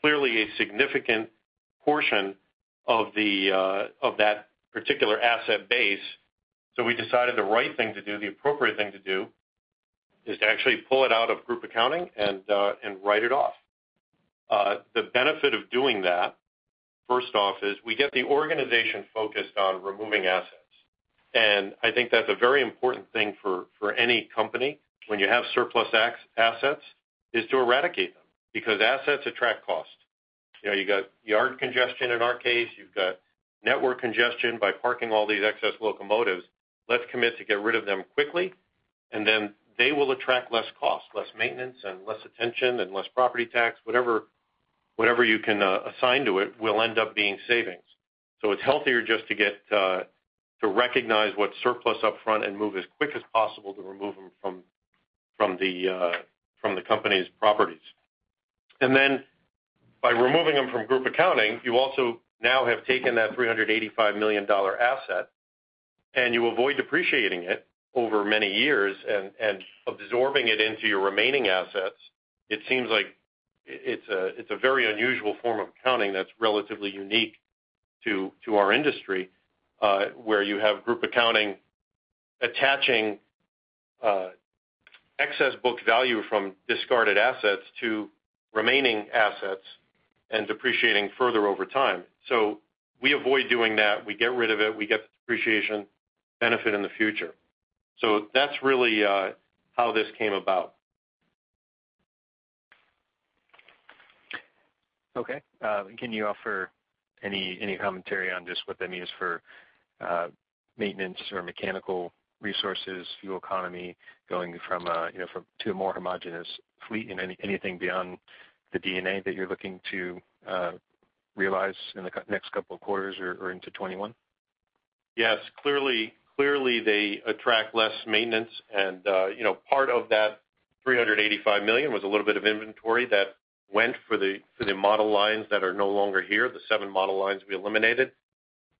clearly a significant portion of that particular asset base. We decided the right thing to do, the appropriate thing to do is to actually pull it out of group accounting and write it off. The benefit of doing that, first off, is we get the organization focused on removing assets. I think that's a very important thing for any company when you have surplus assets, is to eradicate them because assets attract cost. You got yard congestion in our case, you've got network congestion by parking all these excess locomotives. Let's commit to get rid of them quickly, and then they will attract less cost, less maintenance, and less attention, and less property tax, whatever you can assign to it will end up being savings. It's healthier just to recognize what's surplus upfront and move as quick as possible to remove them from the company's properties. By removing them from group accounting, you also now have taken that $385 million asset, and you avoid depreciating it over many years and absorbing it into your remaining assets. It seems like it's a very unusual form of accounting that's relatively unique to our industry where you have group accounting attaching an excess book value from discarded assets to remaining assets and depreciating further over time. We avoid doing that. We get rid of it, we get the depreciation benefit in the future. That's really how this came about. Okay. Can you offer any commentary on just what that means for maintenance or mechanical resources, fuel economy, going to a more homogenous fleet? Anything beyond the D&A that you're looking to realize in the next couple of quarters or into 2021? Yes. Clearly, they attract less maintenance and part of that $385 million was a little bit of inventory that went for the model lines that are no longer here, the seven model lines we eliminated.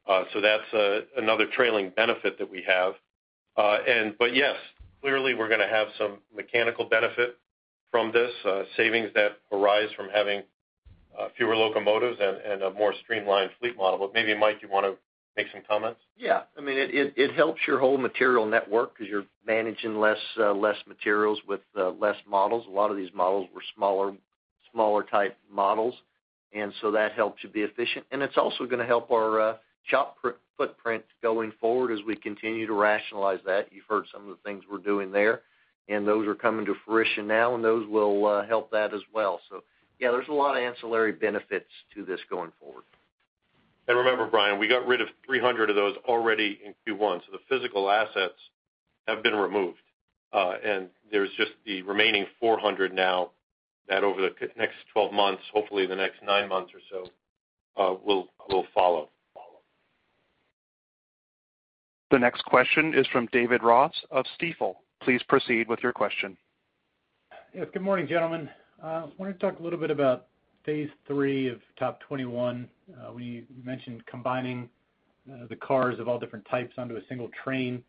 That's another trailing benefit that we have. Yes, clearly we're going to have some mechanical benefit from this, savings that arise from having fewer locomotives and a more streamlined fleet model. Maybe, Mike, you want to make some comments? Yeah. It helps your whole material network because you're managing less materials with less models. A lot of these models were smaller type models, and so that helps you be efficient. It's also going to help our shop footprint going forward as we continue to rationalize that. You've heard some of the things we're doing there, and those are coming to fruition now, and those will help that as well. Yeah, there's a lot of ancillary benefits to this going forward. Remember, Brian, we got rid of 300 of those already in Q1, so the physical assets have been removed. There's just the remaining 400 now that over the next 12 months, hopefully the next nine months or so, will follow. The next question is from David Ross of Stifel. Please proceed with your question. Yes, good morning, gentlemen. I wanted to talk a little bit about phase III of TOP21. When you mentioned combining the cars of all different types onto a single train,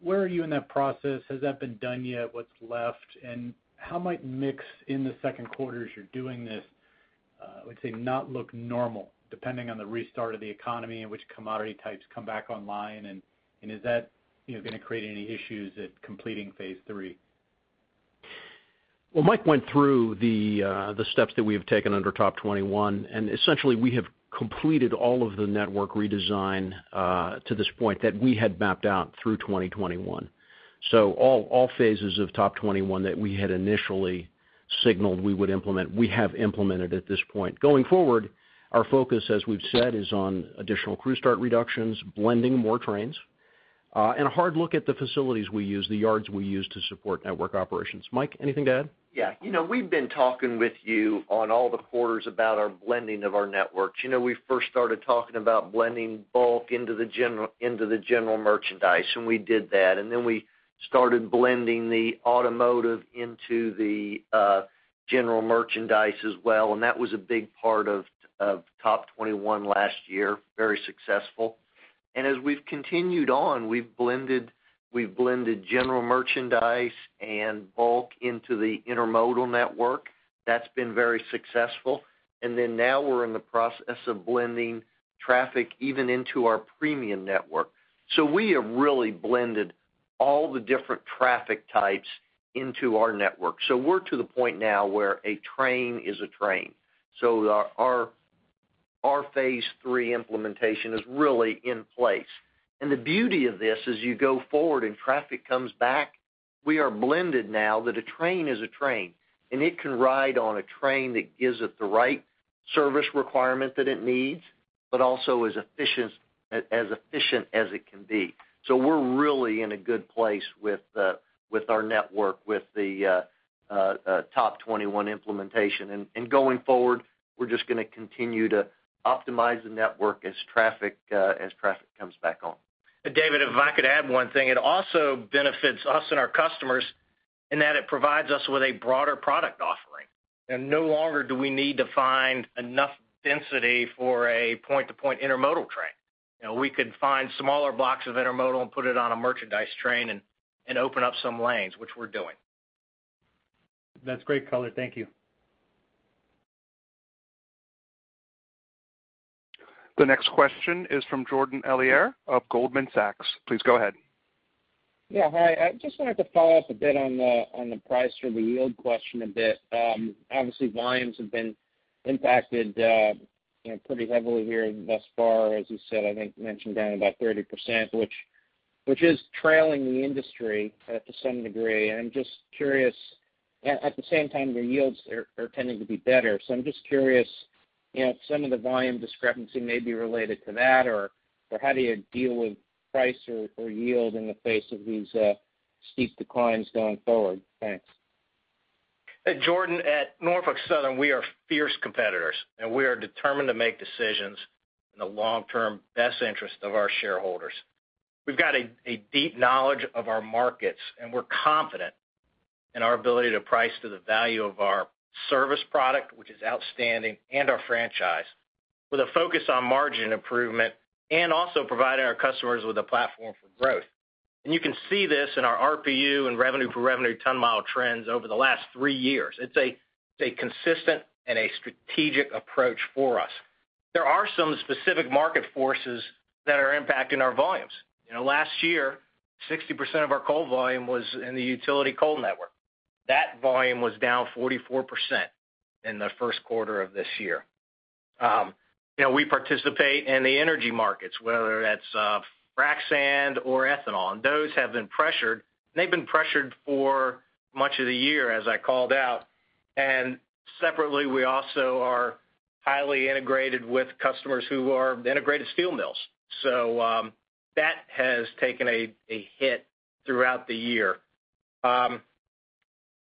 where are you in that process? Has that been done yet? What's left, and how might mix in the second quarter as you're doing this, I would say not look normal, depending on the restart of the economy and which commodity types come back online, and is that going to create any issues at completing phase III? Mike went through the steps that we have taken under TOP21, and essentially, we have completed all of the network redesign to this point that we had mapped out through 2021. All phases of TOP21 that we had initially signaled we would implement, we have implemented at this point. Going forward, our focus, as we've said, is on additional crew start reductions, blending more trains, and a hard look at the facilities we use, the yards we use to support network operations. Mike, anything to add? We've been talking with you on all the quarters about our blending of our networks. We first started talking about blending bulk into the general merchandise, and we did that. We started blending the automotive into the general merchandise as well, and that was a big part of TOP21 last year, very successful. As we've continued on, we've blended general merchandise and bulk into the intermodal network. That's been very successful. Now we're in the process of blending traffic even into our premium network. We have really blended all the different traffic types into our network. We're to the point now where a train is a train. Our phase III implementation is really in place. The beauty of this as you go forward and traffic comes back, we are blended now that a train is a train, and it can ride on a train that gives it the right service requirement that it needs, but also as efficient as it can be. We're really in a good place with our network, with the TOP21 implementation. Going forward, we're just going to continue to optimize the network as traffic comes back on. David, if I could add one thing, it also benefits us and our customers in that it provides us with a broader product offering, and no longer do we need to find enough density for a point-to-point intermodal train. We could find smaller blocks of intermodal and put it on a merchandise train and open up some lanes, which we're doing. That's great color. Thank you. The next question is from Jordan Alliger of Goldman Sachs. Please go ahead. Yeah. Hi. I just wanted to follow up a bit on the price or the yield question a bit. Obviously, volumes have been impacted pretty heavily here thus far, as you said, I think you mentioned down about 30%, which is trailing the industry to some degree. At the same time, your yields are tending to be better. I'm just curious if some of the volume discrepancy may be related to that, or how do you deal with price or yield in the face of these steep declines going forward? Thanks. Hey, Jordan, at Norfolk Southern, we are fierce competitors, and we are determined to make decisions in the long-term best interest of our shareholders. We've got a deep knowledge of our markets, and we're confident in our ability to price to the value of our service product, which is outstanding, and our franchise, with a focus on margin improvement and also providing our customers with a platform for growth. You can see this in our RPU and revenue per revenue ton-mile trends over the last three years. It's a consistent and a strategic approach for us. There are some specific market forces that are impacting our volumes. Last year, 60% of our coal volume was in the utility coal network. That volume was down 44% in the first quarter of this year. We participate in the energy markets, whether that's frac sand or ethanol, and those have been pressured. They've been pressured for much of the year, as I called out. Separately, we also are highly integrated with customers who are integrated steel mills. That has taken a hit throughout the year.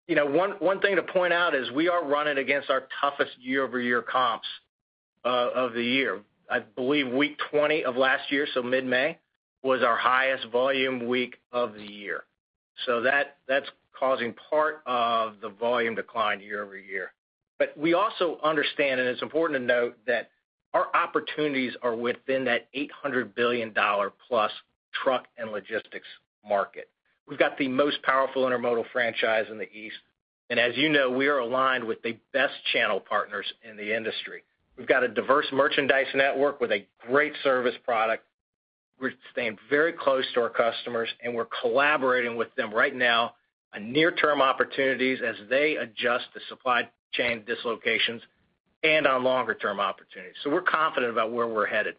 One thing to point out is we are running against our toughest year-over-year comps of the year. I believe week 20 of last year, so mid-May, was our highest volume week of the year. That's causing part of the volume decline year-over-year. We also understand, and it's important to note, that our opportunities are within that $800 billion+ truck and logistics market. We've got the most powerful intermodal franchise in the East, and as you know, we are aligned with the best channel partners in the industry. We've got a diverse merchandise network with a great service product. We're staying very close to our customers, and we're collaborating with them right now on near-term opportunities as they adjust to supply chain dislocations and on longer-term opportunities. We're confident about where we're headed.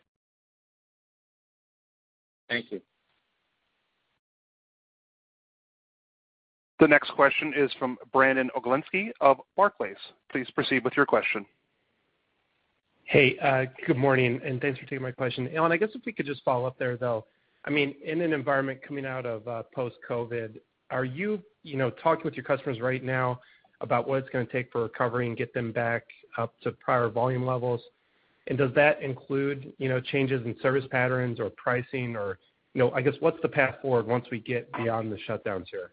Thank you. The next question is from Brandon Oglenski of Barclays. Please proceed with your question. Hey, good morning, and thanks for taking my question. Alan, I guess if we could just follow up there, though. In an environment coming out of post-COVID, are you talking with your customers right now about what it's going to take for recovery and get them back up to prior volume levels? Does that include changes in service patterns or pricing or, I guess, what's the path forward once we get beyond the shutdowns here?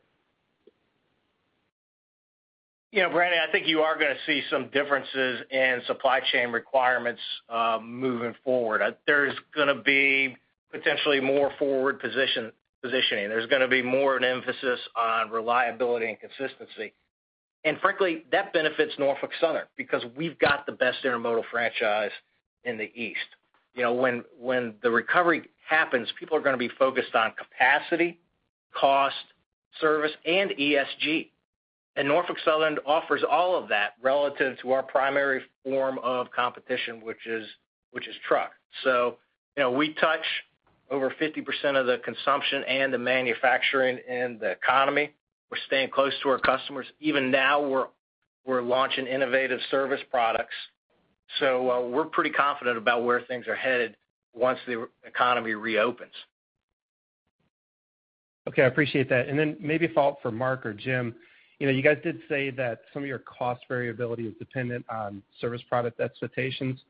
Yeah, Brandon, I think you are going to see some differences in supply chain requirements moving forward. There's going to be potentially more forward positioning. There's going to be more an emphasis on reliability and consistency. Frankly, that benefits Norfolk Southern, because we've got the best intermodal franchise in the East. When the recovery happens, people are going to be focused on capacity, cost, service, and ESG. Norfolk Southern offers all of that relative to our primary form of competition, which is truck. We touch over 50% of the consumption and the manufacturing in the economy. We're staying close to our customers. Even now, we're launching innovative service products. We're pretty confident about where things are headed once the economy reopens. Okay, I appreciate that. Then maybe a follow-up for Mark or Jim. You guys did say that some of your cost variability is dependent on service product expectations.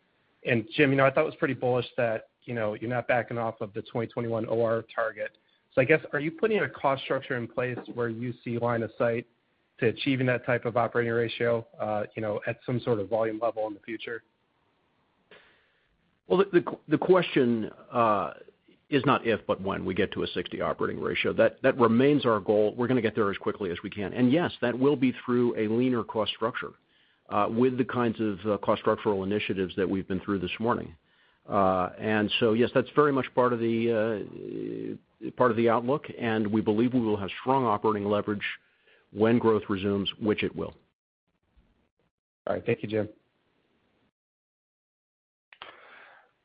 Jim, I thought it was pretty bullish that you're not backing off of the 2021 OR target. I guess, are you putting a cost structure in place where you see line of sight to achieving that type of operating ratio at some sort of volume level in the future? Well, the question is not if, but when we get to a 60 operating ratio. That remains our goal. We're going to get there as quickly as we can. Yes, that will be through a leaner cost structure with the kinds of cost structural initiatives that we've been through this morning. Yes, that's very much part of the outlook, and we believe we will have strong operating leverage when growth resumes, which it will. All right. Thank you, Jim.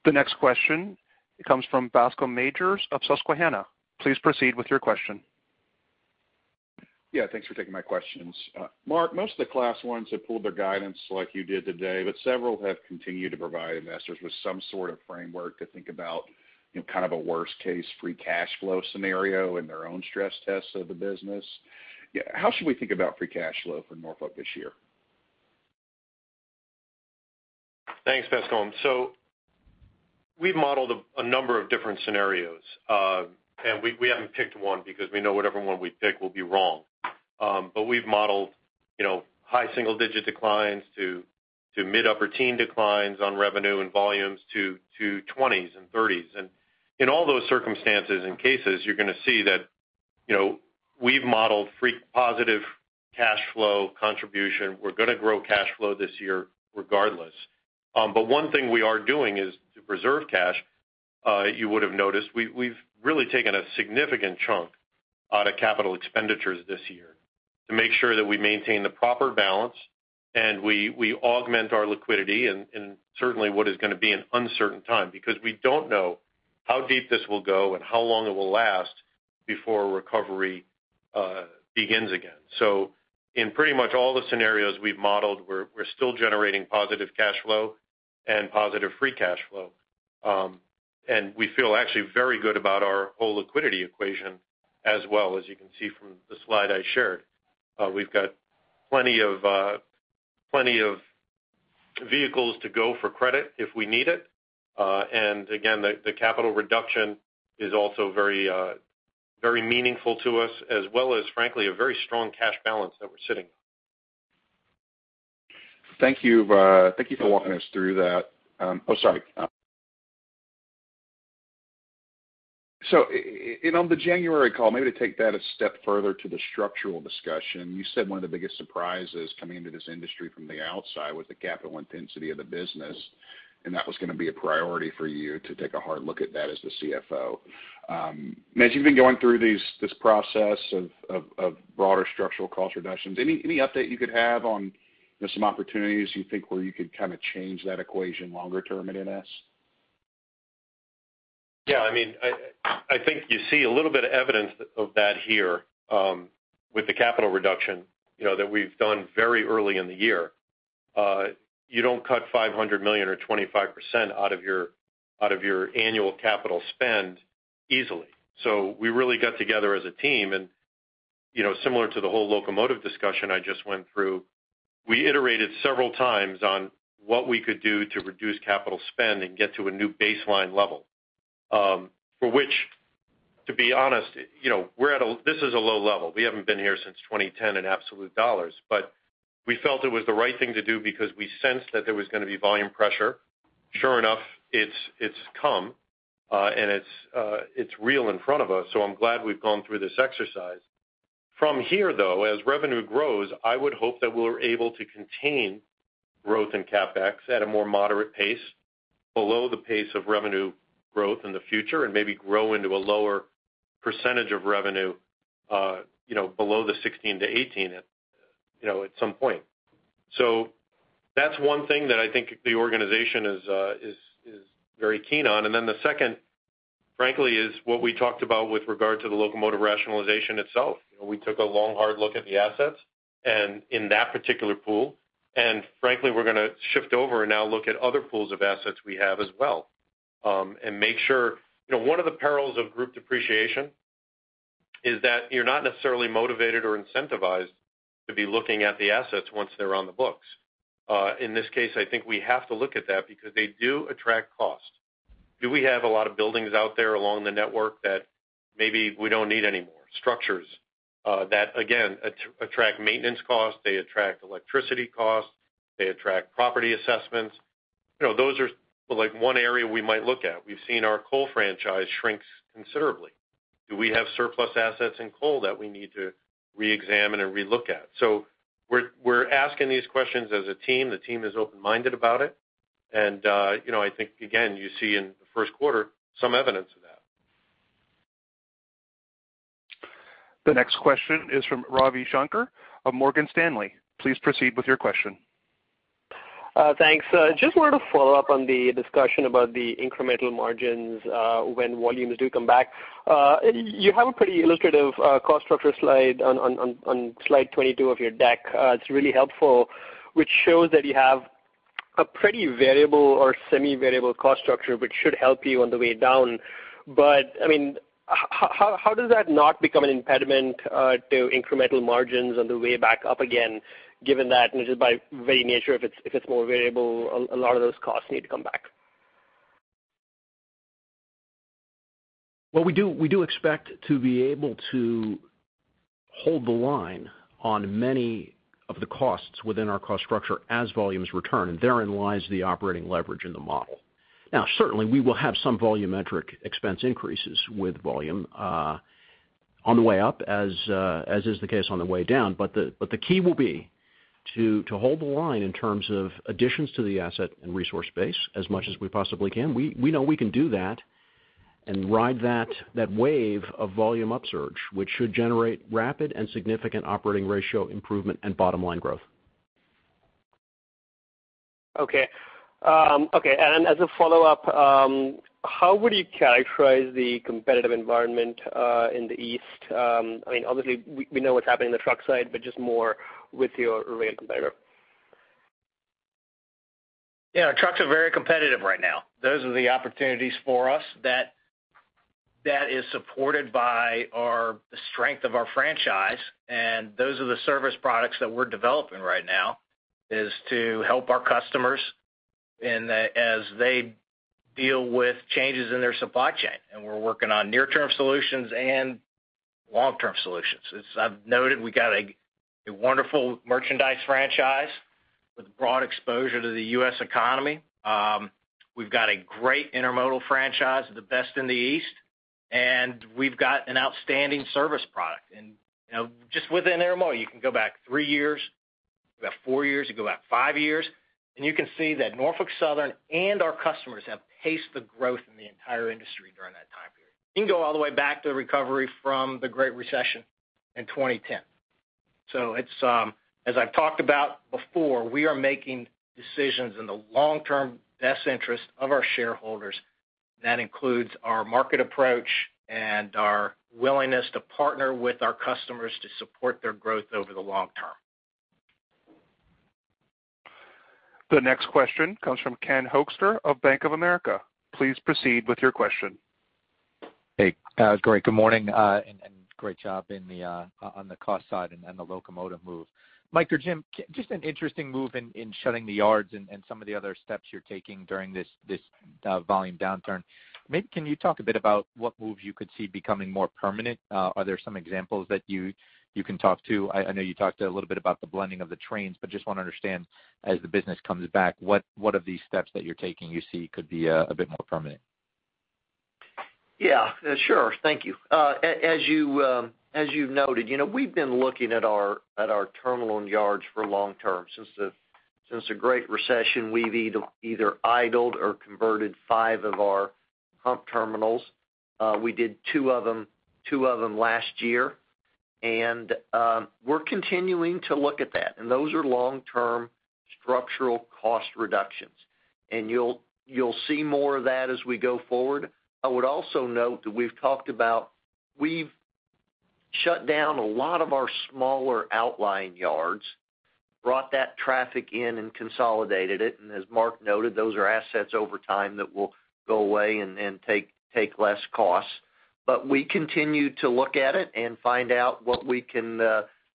The next question comes from Bascome Majors of Susquehanna. Please proceed with your question. Yeah, thanks for taking my questions. Mark, most of the Class Is have pulled their guidance like you did today, but several have continued to provide investors with some sort of framework to think about kind of a worst case free cash flow scenario in their own stress tests of the business. How should we think about free cash flow for Norfolk this year? Thanks, Bascome. We've modeled a number of different scenarios. We haven't picked one because we know whatever one we pick will be wrong. We've modeled high single-digit declines to mid-upper teen declines on revenue and volumes to 20s and 30s. In all those circumstances and cases, you're going to see that we've modeled free positive cash flow contribution. We're going to grow cash flow this year regardless. One thing we are doing is to preserve cash. You would've noticed, we've really taken a significant chunk out of capital expenditures this year to make sure that we maintain the proper balance and we augment our liquidity in certainly what is going to be an uncertain time, because we don't know how deep this will go and how long it will last before recovery begins again. In pretty much all the scenarios we've modeled, we're still generating positive cash flow and positive free cash flow. We feel actually very good about our whole liquidity equation as well, as you can see from the slide I shared. We've got plenty of vehicles to go for credit if we need it. Again, the capital reduction is also very meaningful to us, as well as, frankly, a very strong cash balance that we're sitting on. Thank you for walking us through that. Oh, sorry. On the January call, maybe to take that a step further to the structural discussion, you said one of the biggest surprises coming into this industry from the outside was the capital intensity of the business, and that was going to be a priority for you to take a hard look at that as the CFO. As you've been going through this process of broader structural cost reductions, any update you could have on some opportunities you think where you could change that equation longer term at NS? Yeah. I think you see a little bit of evidence of that here with the capital reduction that we've done very early in the year. You don't cut $500 million or 25% out of your annual capital spend easily. We really got together as a team and similar to the whole locomotive discussion I just went through, we iterated several times on what we could do to reduce capital spend and get to a new baseline level, for which, to be honest, this is a low level. We haven't been here since 2010 in absolute dollars, but we felt it was the right thing to do because we sensed that there was going to be volume pressure. Sure enough, it's come, and it's real in front of us, so I'm glad we've gone through this exercise. From here, as revenue grows, I would hope that we're able to contain growth in CapEx at a more moderate pace, below the pace of revenue growth in the future, and maybe grow into a lower percentage of revenue below the 16%-18% at some point. That's one thing that I think the organization is very keen on. The second, frankly, is what we talked about with regard to the locomotive rationalization itself. We took a long, hard look at the assets and in that particular pool, and frankly, we're going to shift over and now look at other pools of assets we have as well. One of the perils of group depreciation is that you're not necessarily motivated or incentivized to be looking at the assets once they're on the books. In this case, I think we have to look at that because they do attract cost. Do we have a lot of buildings out there along the network that maybe we don't need anymore? Structures that, again, attract maintenance costs, they attract electricity costs, they attract property assessments. Those are one area we might look at. We've seen our coal franchise shrink considerably. Do we have surplus assets in coal that we need to reexamine and re-look at? We're asking these questions as a team. The team is open-minded about it, and I think, again, you see in the first quarter, some evidence of that. The next question is from Ravi Shanker of Morgan Stanley. Please proceed with your question. Thanks. Just wanted to follow up on the discussion about the incremental margins when volumes do come back. You have a pretty illustrative cost structure slide on Slide 22 of your deck. It's really helpful, which shows that you have a pretty variable or semi-variable cost structure, which should help you on the way down. How does that not become an impediment to incremental margins on the way back up again, given that just by very nature, if it's more variable, a lot of those costs need to come back? Well, we do expect to be able to hold the line on many of the costs within our cost structure as volumes return, and therein lies the operating leverage in the model. Now, certainly, we will have some volumetric expense increases with volume on the way up, as is the case on the way down, but the key will be to hold the line in terms of additions to the asset and resource base as much as we possibly can. We know we can do that and ride that wave of volume upsurge, which should generate rapid and significant operating ratio improvement and bottom-line growth. Okay. As a follow-up, how would you characterize the competitive environment in the East? Obviously, we know what's happening in the truck side, but just more with your rail competitor. Yeah, trucks are very competitive right now. Those are the opportunities for us that is supported by our strength of our franchise, those are the service products that we're developing right now, is to help our customers as they deal with changes in their supply chain. We're working on near-term solutions and long-term solutions. As I've noted, we got a wonderful merchandise franchise with broad exposure to the U.S. economy. We've got a great intermodal franchise, the best in the east, we've got an outstanding service product. Just within intermodal, you can go back three years, you can go back four years, you go back five years, you can see that Norfolk Southern and our customers have paced the growth in the entire industry during that time period. You can go all the way back to the recovery from the Great Recession in 2010. As I've talked about before, we are making decisions in the long-term best interest of our shareholders. That includes our market approach and our willingness to partner with our customers to support their growth over the long term. The next question comes from Ken Hoexter of Bank of America. Please proceed with your question. Hey, great. Good morning, and great job on the cost side and the locomotive move. Mike or Jim, just an interesting move in shutting the yards and some of the other steps you're taking during this volume downturn. Maybe can you talk a bit about what moves you could see becoming more permanent? Are there some examples that you can talk to? I know you talked a little bit about the blending of the trains, but just want to understand, as the business comes back, what of these steps that you're taking you see could be a bit more permanent? Yeah. Sure. Thank you. As you've noted, we've been looking at our terminal and yards for long-term. Since the Great Recession, we've either idled or converted five of our hump terminals. We did two of them last year. We're continuing to look at that. Those are long-term structural cost reductions. I would also note that we've shut down a lot of our smaller outlying yards, brought that traffic in and consolidated it. As Mark noted, those are assets over time that will go away and take less cost. We continue to look at it and find out what we can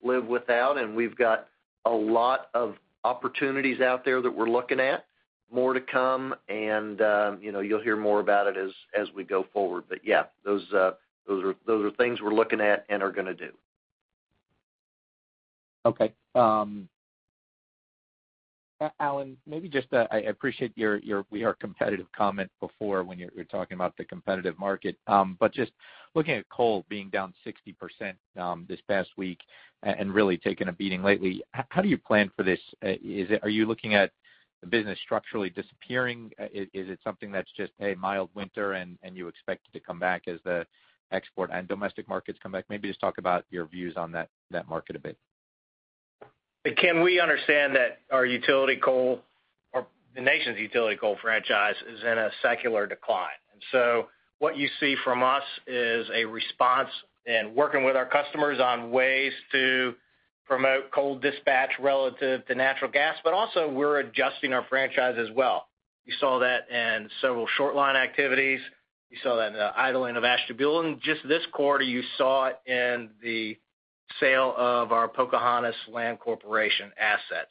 live without. We've got a lot of opportunities out there that we're looking at. More to come. You'll hear more about it as we go forward. Yeah, those are things we're looking at and are going to do. Okay. Alan, I appreciate your we are competitive comment before when you were talking about the competitive market. Just looking at coal being down 60% this past week and really taking a beating lately, how do you plan for this? Are you looking at the business structurally disappearing? Is it something that's just a mild winter, and you expect it to come back as the export and domestic markets come back? Maybe just talk about your views on that market a bit. Ken, we understand that our utility coal or the nation's utility coal franchise is in a secular decline. What you see from us is a response in working with our customers on ways to promote coal dispatch relative to natural gas, but also we're adjusting our franchise as well. You saw that in several short line activities. You saw that in the idling of Ashtabula. Just this quarter, you saw it in the sale of our Pocahontas Land Corporation assets.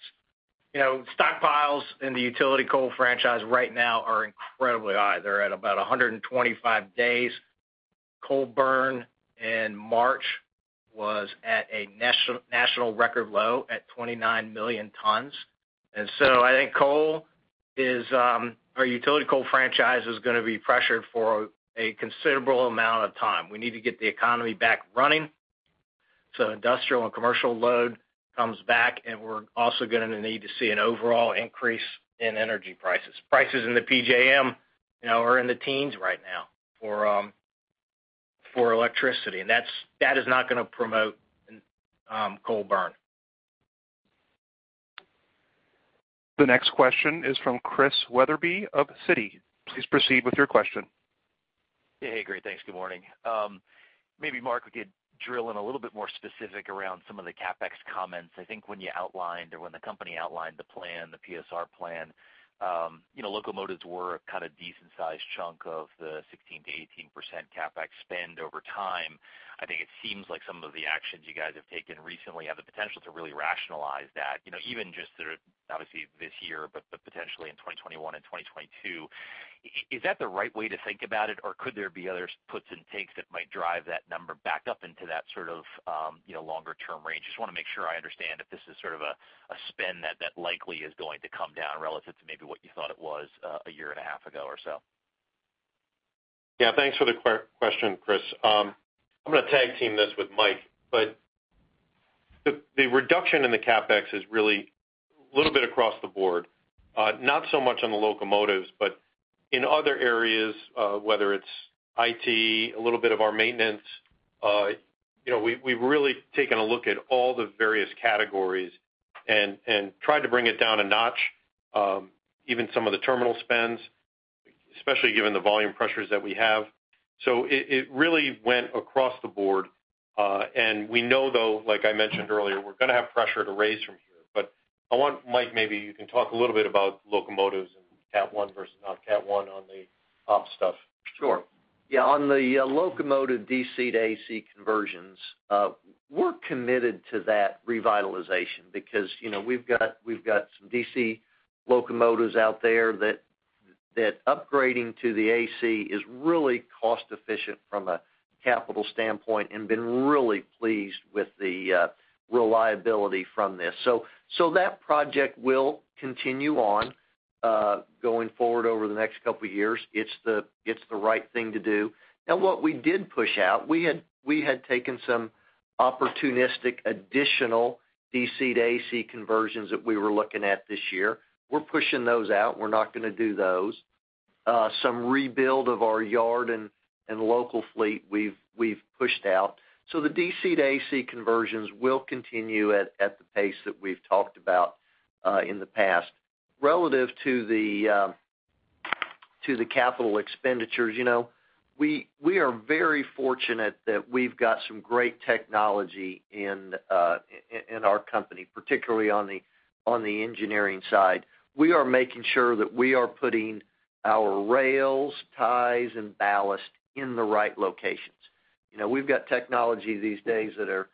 Stockpiles in the utility coal franchise right now are incredibly high. They're at about 125 days. Coal burn in March was at a national record low at 29 million tons. I think our utility coal franchise is going to be pressured for a considerable amount of time. We need to get the economy back running so industrial and commercial load comes back, and we're also going to need to see an overall increase in energy prices. Prices in the PJM are in the teens right now for electricity, and that is not going to promote coal burn. The next question is from Chris Wetherbee of Citi. Please proceed with your question. Hey, great. Thanks. Good morning. Maybe Mark could drill in a little bit more specific around some of the CapEx comments. I think when you outlined or when the company outlined the plan, the PSR plan, locomotives were a kind of decent-sized chunk of the 16%-18% CapEx spend over time. I think it seems like some of the actions you guys have taken recently have the potential to really rationalize that even just sort of obviously this year, but potentially in 2021 and 2022. Is that the right way to think about it, or could there be other puts and takes that might drive that number back up into that sort of longer-term range? Just want to make sure I understand if this is sort of a spend that likely is going to come down relative to maybe what you thought it was a year and a half ago or so. Yeah. Thanks for the question, Chris. I'm going to tag team this with Mike, but the reduction in the CapEx is really a little bit across the board. Not so much on the locomotives, but in other areas whether it's IT, a little bit of our maintenance. We've really taken a look at all the various categories and tried to bring it down a notch. Even some of the terminal spends, especially given the volume pressures that we have. It really went across the board. We know, though, like I mentioned earlier, we're going to have pressure to raise from here. I want Mike, maybe you can talk a little bit about locomotives and Cat 1 versus not Cat one on the op stuff. Sure. On the locomotive DC to AC conversions, we're committed to that revitalization because we've got some DC locomotives out there that upgrading to the AC is really cost efficient from a capital standpoint and been really pleased with the reliability from this. That project will continue on going forward over the next couple of years. It's the right thing to do. What we did push out, we had taken some opportunistic additional DC to AC conversions that we were looking at this year. We're pushing those out. We're not going to do those. Some rebuild of our yard and local fleet we've pushed out. The DC to AC conversions will continue at the pace that we've talked about in the past. Relative to the capital expenditures, we are very fortunate that we've got some great technology in our company, particularly on the engineering side. We are making sure that we are putting our rails, ties, and ballast in the right locations. We've got technology these days that are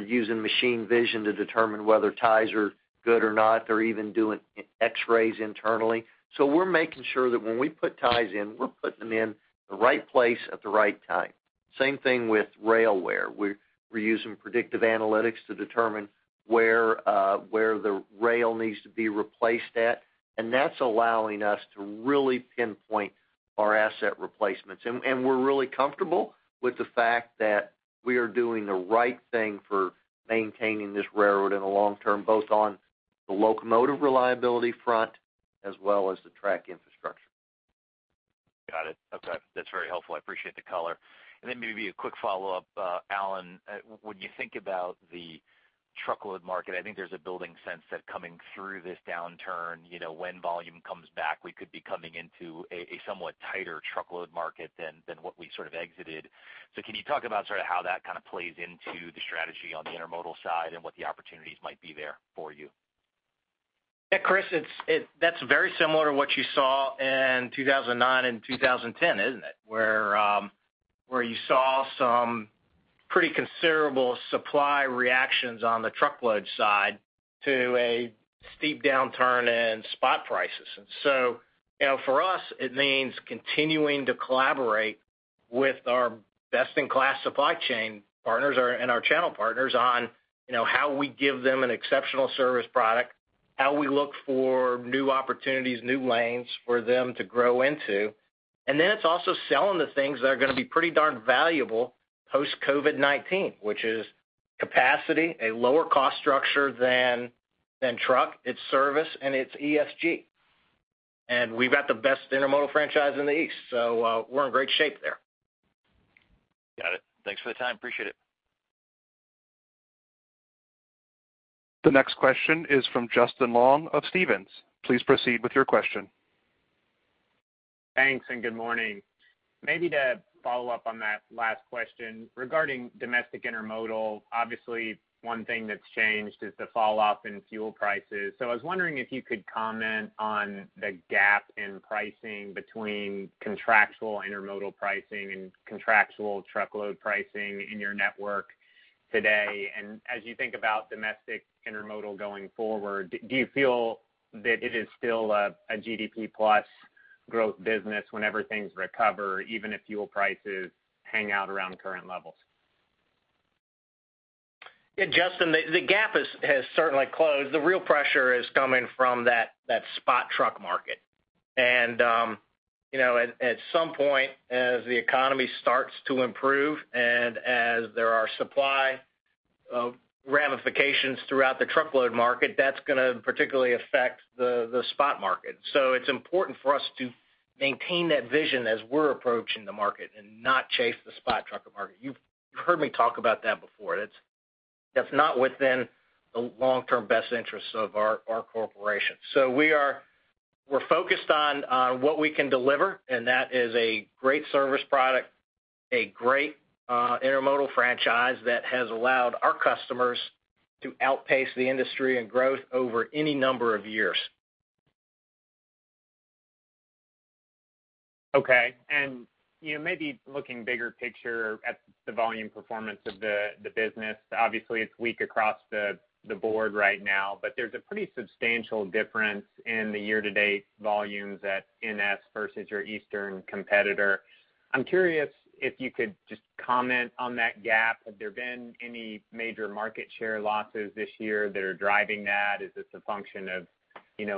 using machine vision to determine whether ties are good or not. They're even doing X-rays internally. We're making sure that when we put ties in, we're putting them in the right place at the right time. Same thing with rail wear. We're using predictive analytics to determine where the rail needs to be replaced at, and that's allowing us to really pinpoint our asset replacements. We're really comfortable with the fact that we are doing the right thing for maintaining this railroad in the long term, both on the locomotive reliability front as well as the track infrastructure. Got it. Okay. That's very helpful. I appreciate the color. Maybe a quick follow-up, Alan, when you think about the truckload market, I think there's a building sense that coming through this downturn, when volume comes back, we could be coming into a somewhat tighter truckload market than what we sort of exited. Can you talk about how that kind of plays into the strategy on the intermodal side and what the opportunities might be there for you? Yeah, Chris, that's very similar to what you saw in 2009 and 2010, isn't it? Where you saw some pretty considerable supply reactions on the truckload side to a steep downturn in spot prices. For us, it means continuing to collaborate with our best-in-class supply chain partners and our channel partners on how we give them an exceptional service product, how we look for new opportunities, new lanes for them to grow into. Then it's also selling the things that are going to be pretty darn valuable post-COVID-19, which is capacity, a lower cost structure than truck, it's service, and it's ESG. We've got the best intermodal franchise in the East, so we're in great shape there. Got it. Thanks for the time. Appreciate it. The next question is from Justin Long of Stephens. Please proceed with your question. Thanks. Good morning. Maybe to follow up on that last question, regarding domestic intermodal, obviously one thing that's changed is the falloff in fuel prices. I was wondering if you could comment on the gap in pricing between contractual intermodal pricing and contractual truckload pricing in your network today. As you think about domestic intermodal going forward, do you feel that it is still a GDP plus growth business whenever things recover, even if fuel prices hang out around current levels? Yeah, Justin, the gap has certainly closed. The real pressure is coming from that spot truck market. At some point, as the economy starts to improve and as there are supply ramifications throughout the truckload market, that's going to particularly affect the spot market. It's important for us to maintain that vision as we're approaching the market and not chase the spot trucker market. You've heard me talk about that before. That's not within the long-term best interests of our Corporation. We're focused on what we can deliver, and that is a great service product, a great intermodal franchise that has allowed our customers to outpace the industry in growth over any number of years. Okay, maybe looking bigger picture at the volume performance of the business. Obviously, it's weak across the board right now, but there's a pretty substantial difference in the year-to-date volumes at NS versus your Eastern competitor. I'm curious if you could just comment on that gap. Have there been any major market share losses this year that are driving that? Is this a function of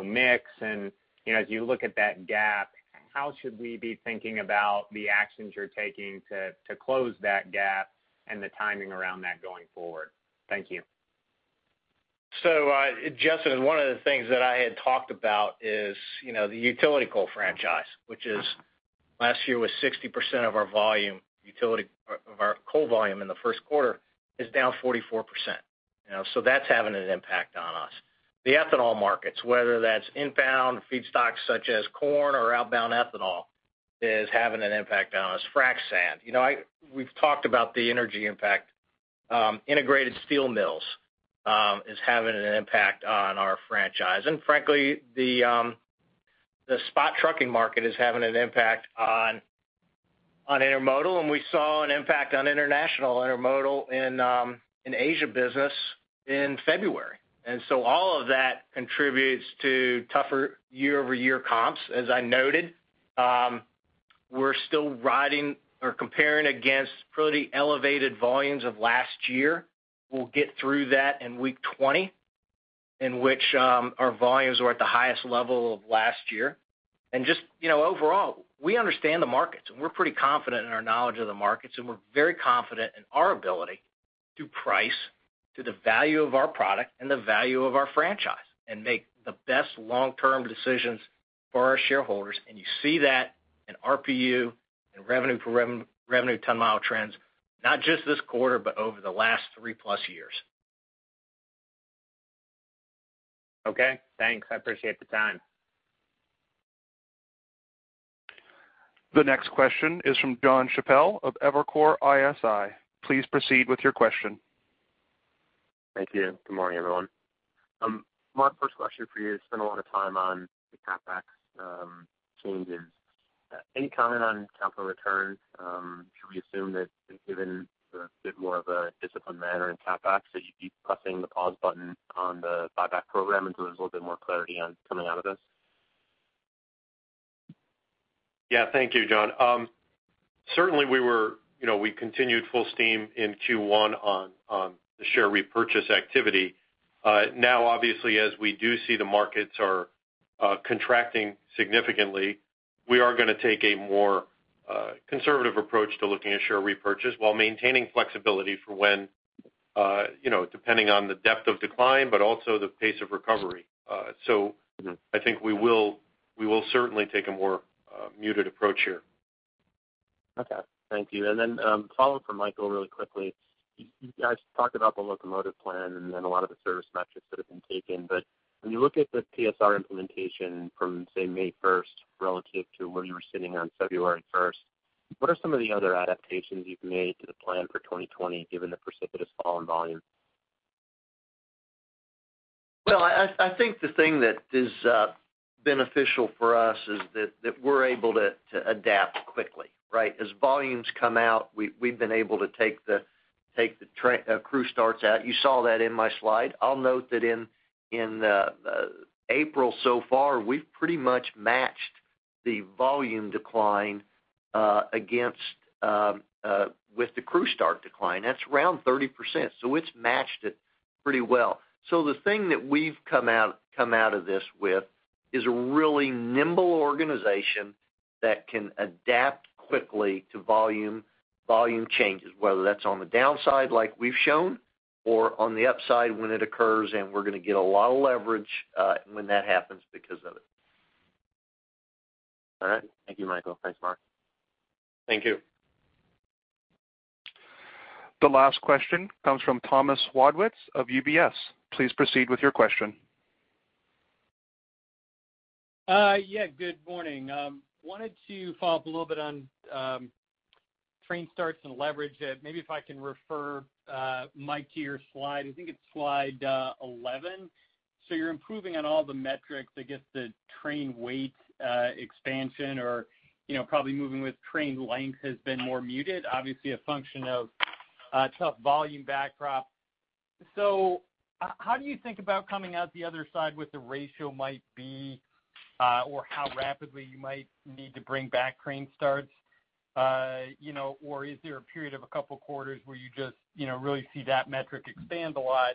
mix? As you look at that gap, how should we be thinking about the actions you're taking to close that gap and the timing around that going forward? Thank you. Justin, one of the things that I had talked about is the utility coal franchise, which last year was 60% of our coal volume in the first quarter, is down 44%. The ethanol markets, whether that's inbound feedstocks such as corn or outbound ethanol, is having an impact on us. Frac sand. We've talked about the energy impact. Integrated steel mills is having an impact on our franchise. The spot trucking market is having an impact on intermodal, and we saw an impact on international intermodal in Asia business in February. All of that contributes to tougher year-over-year comps, as I noted. We're still riding or comparing against pretty elevated volumes of last year. We'll get through that in week 20, in which our volumes were at the highest level of last year. Just overall, we understand the markets, and we're pretty confident in our knowledge of the markets, and we're very confident in our ability to price to the value of our product and the value of our franchise and make the best long-term decisions for our shareholders. You see that in RPU and revenue per ton mile trends, not just this quarter, but over the last 3+ years. Okay. Thanks. I appreciate the time. The next question is from Jon Chappell of Evercore ISI. Please proceed with your question. Thank you. Good morning, everyone. My first question for you spent a lot of time on the CapEx changes. Any comment on capital returns? Should we assume that given the bit more of a disciplined manner in CapEx, that you'd be pressing the pause button on the buyback program until there's a little bit more clarity on coming out of this? Yeah. Thank you, Jon. Certainly, we continued full steam in Q1 on the share repurchase activity. Obviously, as we do see the markets are contracting significantly, we are going to take a more conservative approach to looking at share repurchase while maintaining flexibility for when, depending on the depth of decline but also the pace of recovery. I think we will certainly take a more muted approach here. Okay. Thank you. Follow-up from Michael really quickly. You guys talked about the locomotive plan and then a lot of the service metrics that have been taken. When you look at the PSR implementation from, say, May 1st relative to where you were sitting on February 1st, what are some of the other adaptations you've made to the plan for 2020 given the precipitous fall in volume? Well, I think the thing that is beneficial for us is that we're able to adapt quickly, right? As volumes come out, we've been able to take the crew starts out. You saw that in my slide. I'll note that in April so far, we've pretty much matched the volume decline with the crew start decline. That's around 30%. It's matched it pretty well. The thing that we've come out of this with is a really nimble organization that can adapt quickly to volume changes, whether that's on the downside like we've shown or on the upside when it occurs, and we're going to get a lot of leverage when that happens because of it. All right. Thank you, Michael. Thanks, Mark. Thank you. The last question comes from Thomas Wadewitz of UBS. Please proceed with your question. Yeah, good morning. I wanted to follow up a little bit on train starts and leverage. Maybe if I can refer Mike to your slide, I think it's slide 11. You're improving on all the metrics. I guess the train weight expansion or probably moving with train length has been more muted, obviously a function of a tough volume backdrop. How do you think about coming out the other side what the ratio might be or how rapidly you might need to bring back train starts? Is there a period of a couple of quarters where you just really see that metric expand a lot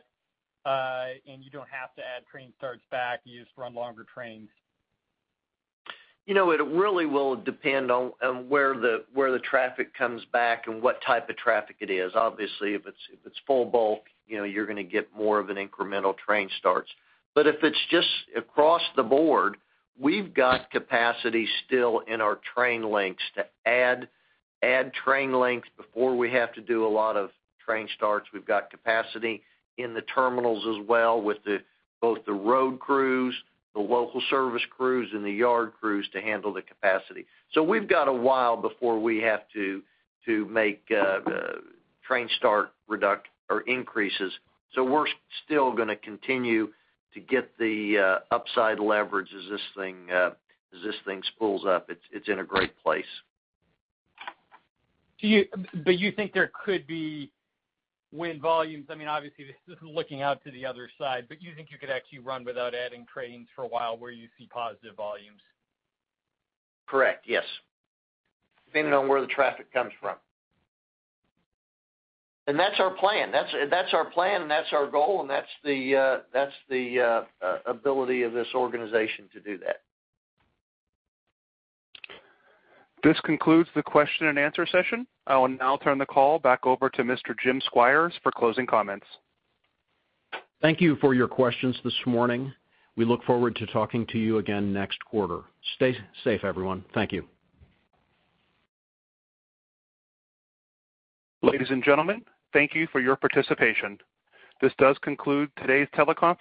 and you don't have to add train starts back, you just run longer trains? It really will depend on where the traffic comes back and what type of traffic it is. Obviously, if it's full bulk, you're going to get more of an incremental train starts. If it's just across the board, we've got capacity still in our train lengths to add train lengths before we have to do a lot of train starts. We've got capacity in the terminals as well with both the road crews, the local service crews, and the yard crews to handle the capacity. We've got a while before we have to make train start increases. We're still going to continue to get the upside leverage as this thing spools up. It's in a great place. You think there could be when volumes, obviously, this is looking out to the other side, but you think you could actually run without adding trains for a while where you see positive volumes? Correct, yes. Depending on where the traffic comes from. That's our plan. That's our plan, and that's our goal, and that's the ability of this organization to do that. This concludes the question and answer session. I will now turn the call back over to Mr. Jim Squires for closing comments. Thank you for your questions this morning. We look forward to talking to you again next quarter. Stay safe, everyone. Thank you. Ladies and gentlemen, thank you for your participation. This does conclude today's teleconference.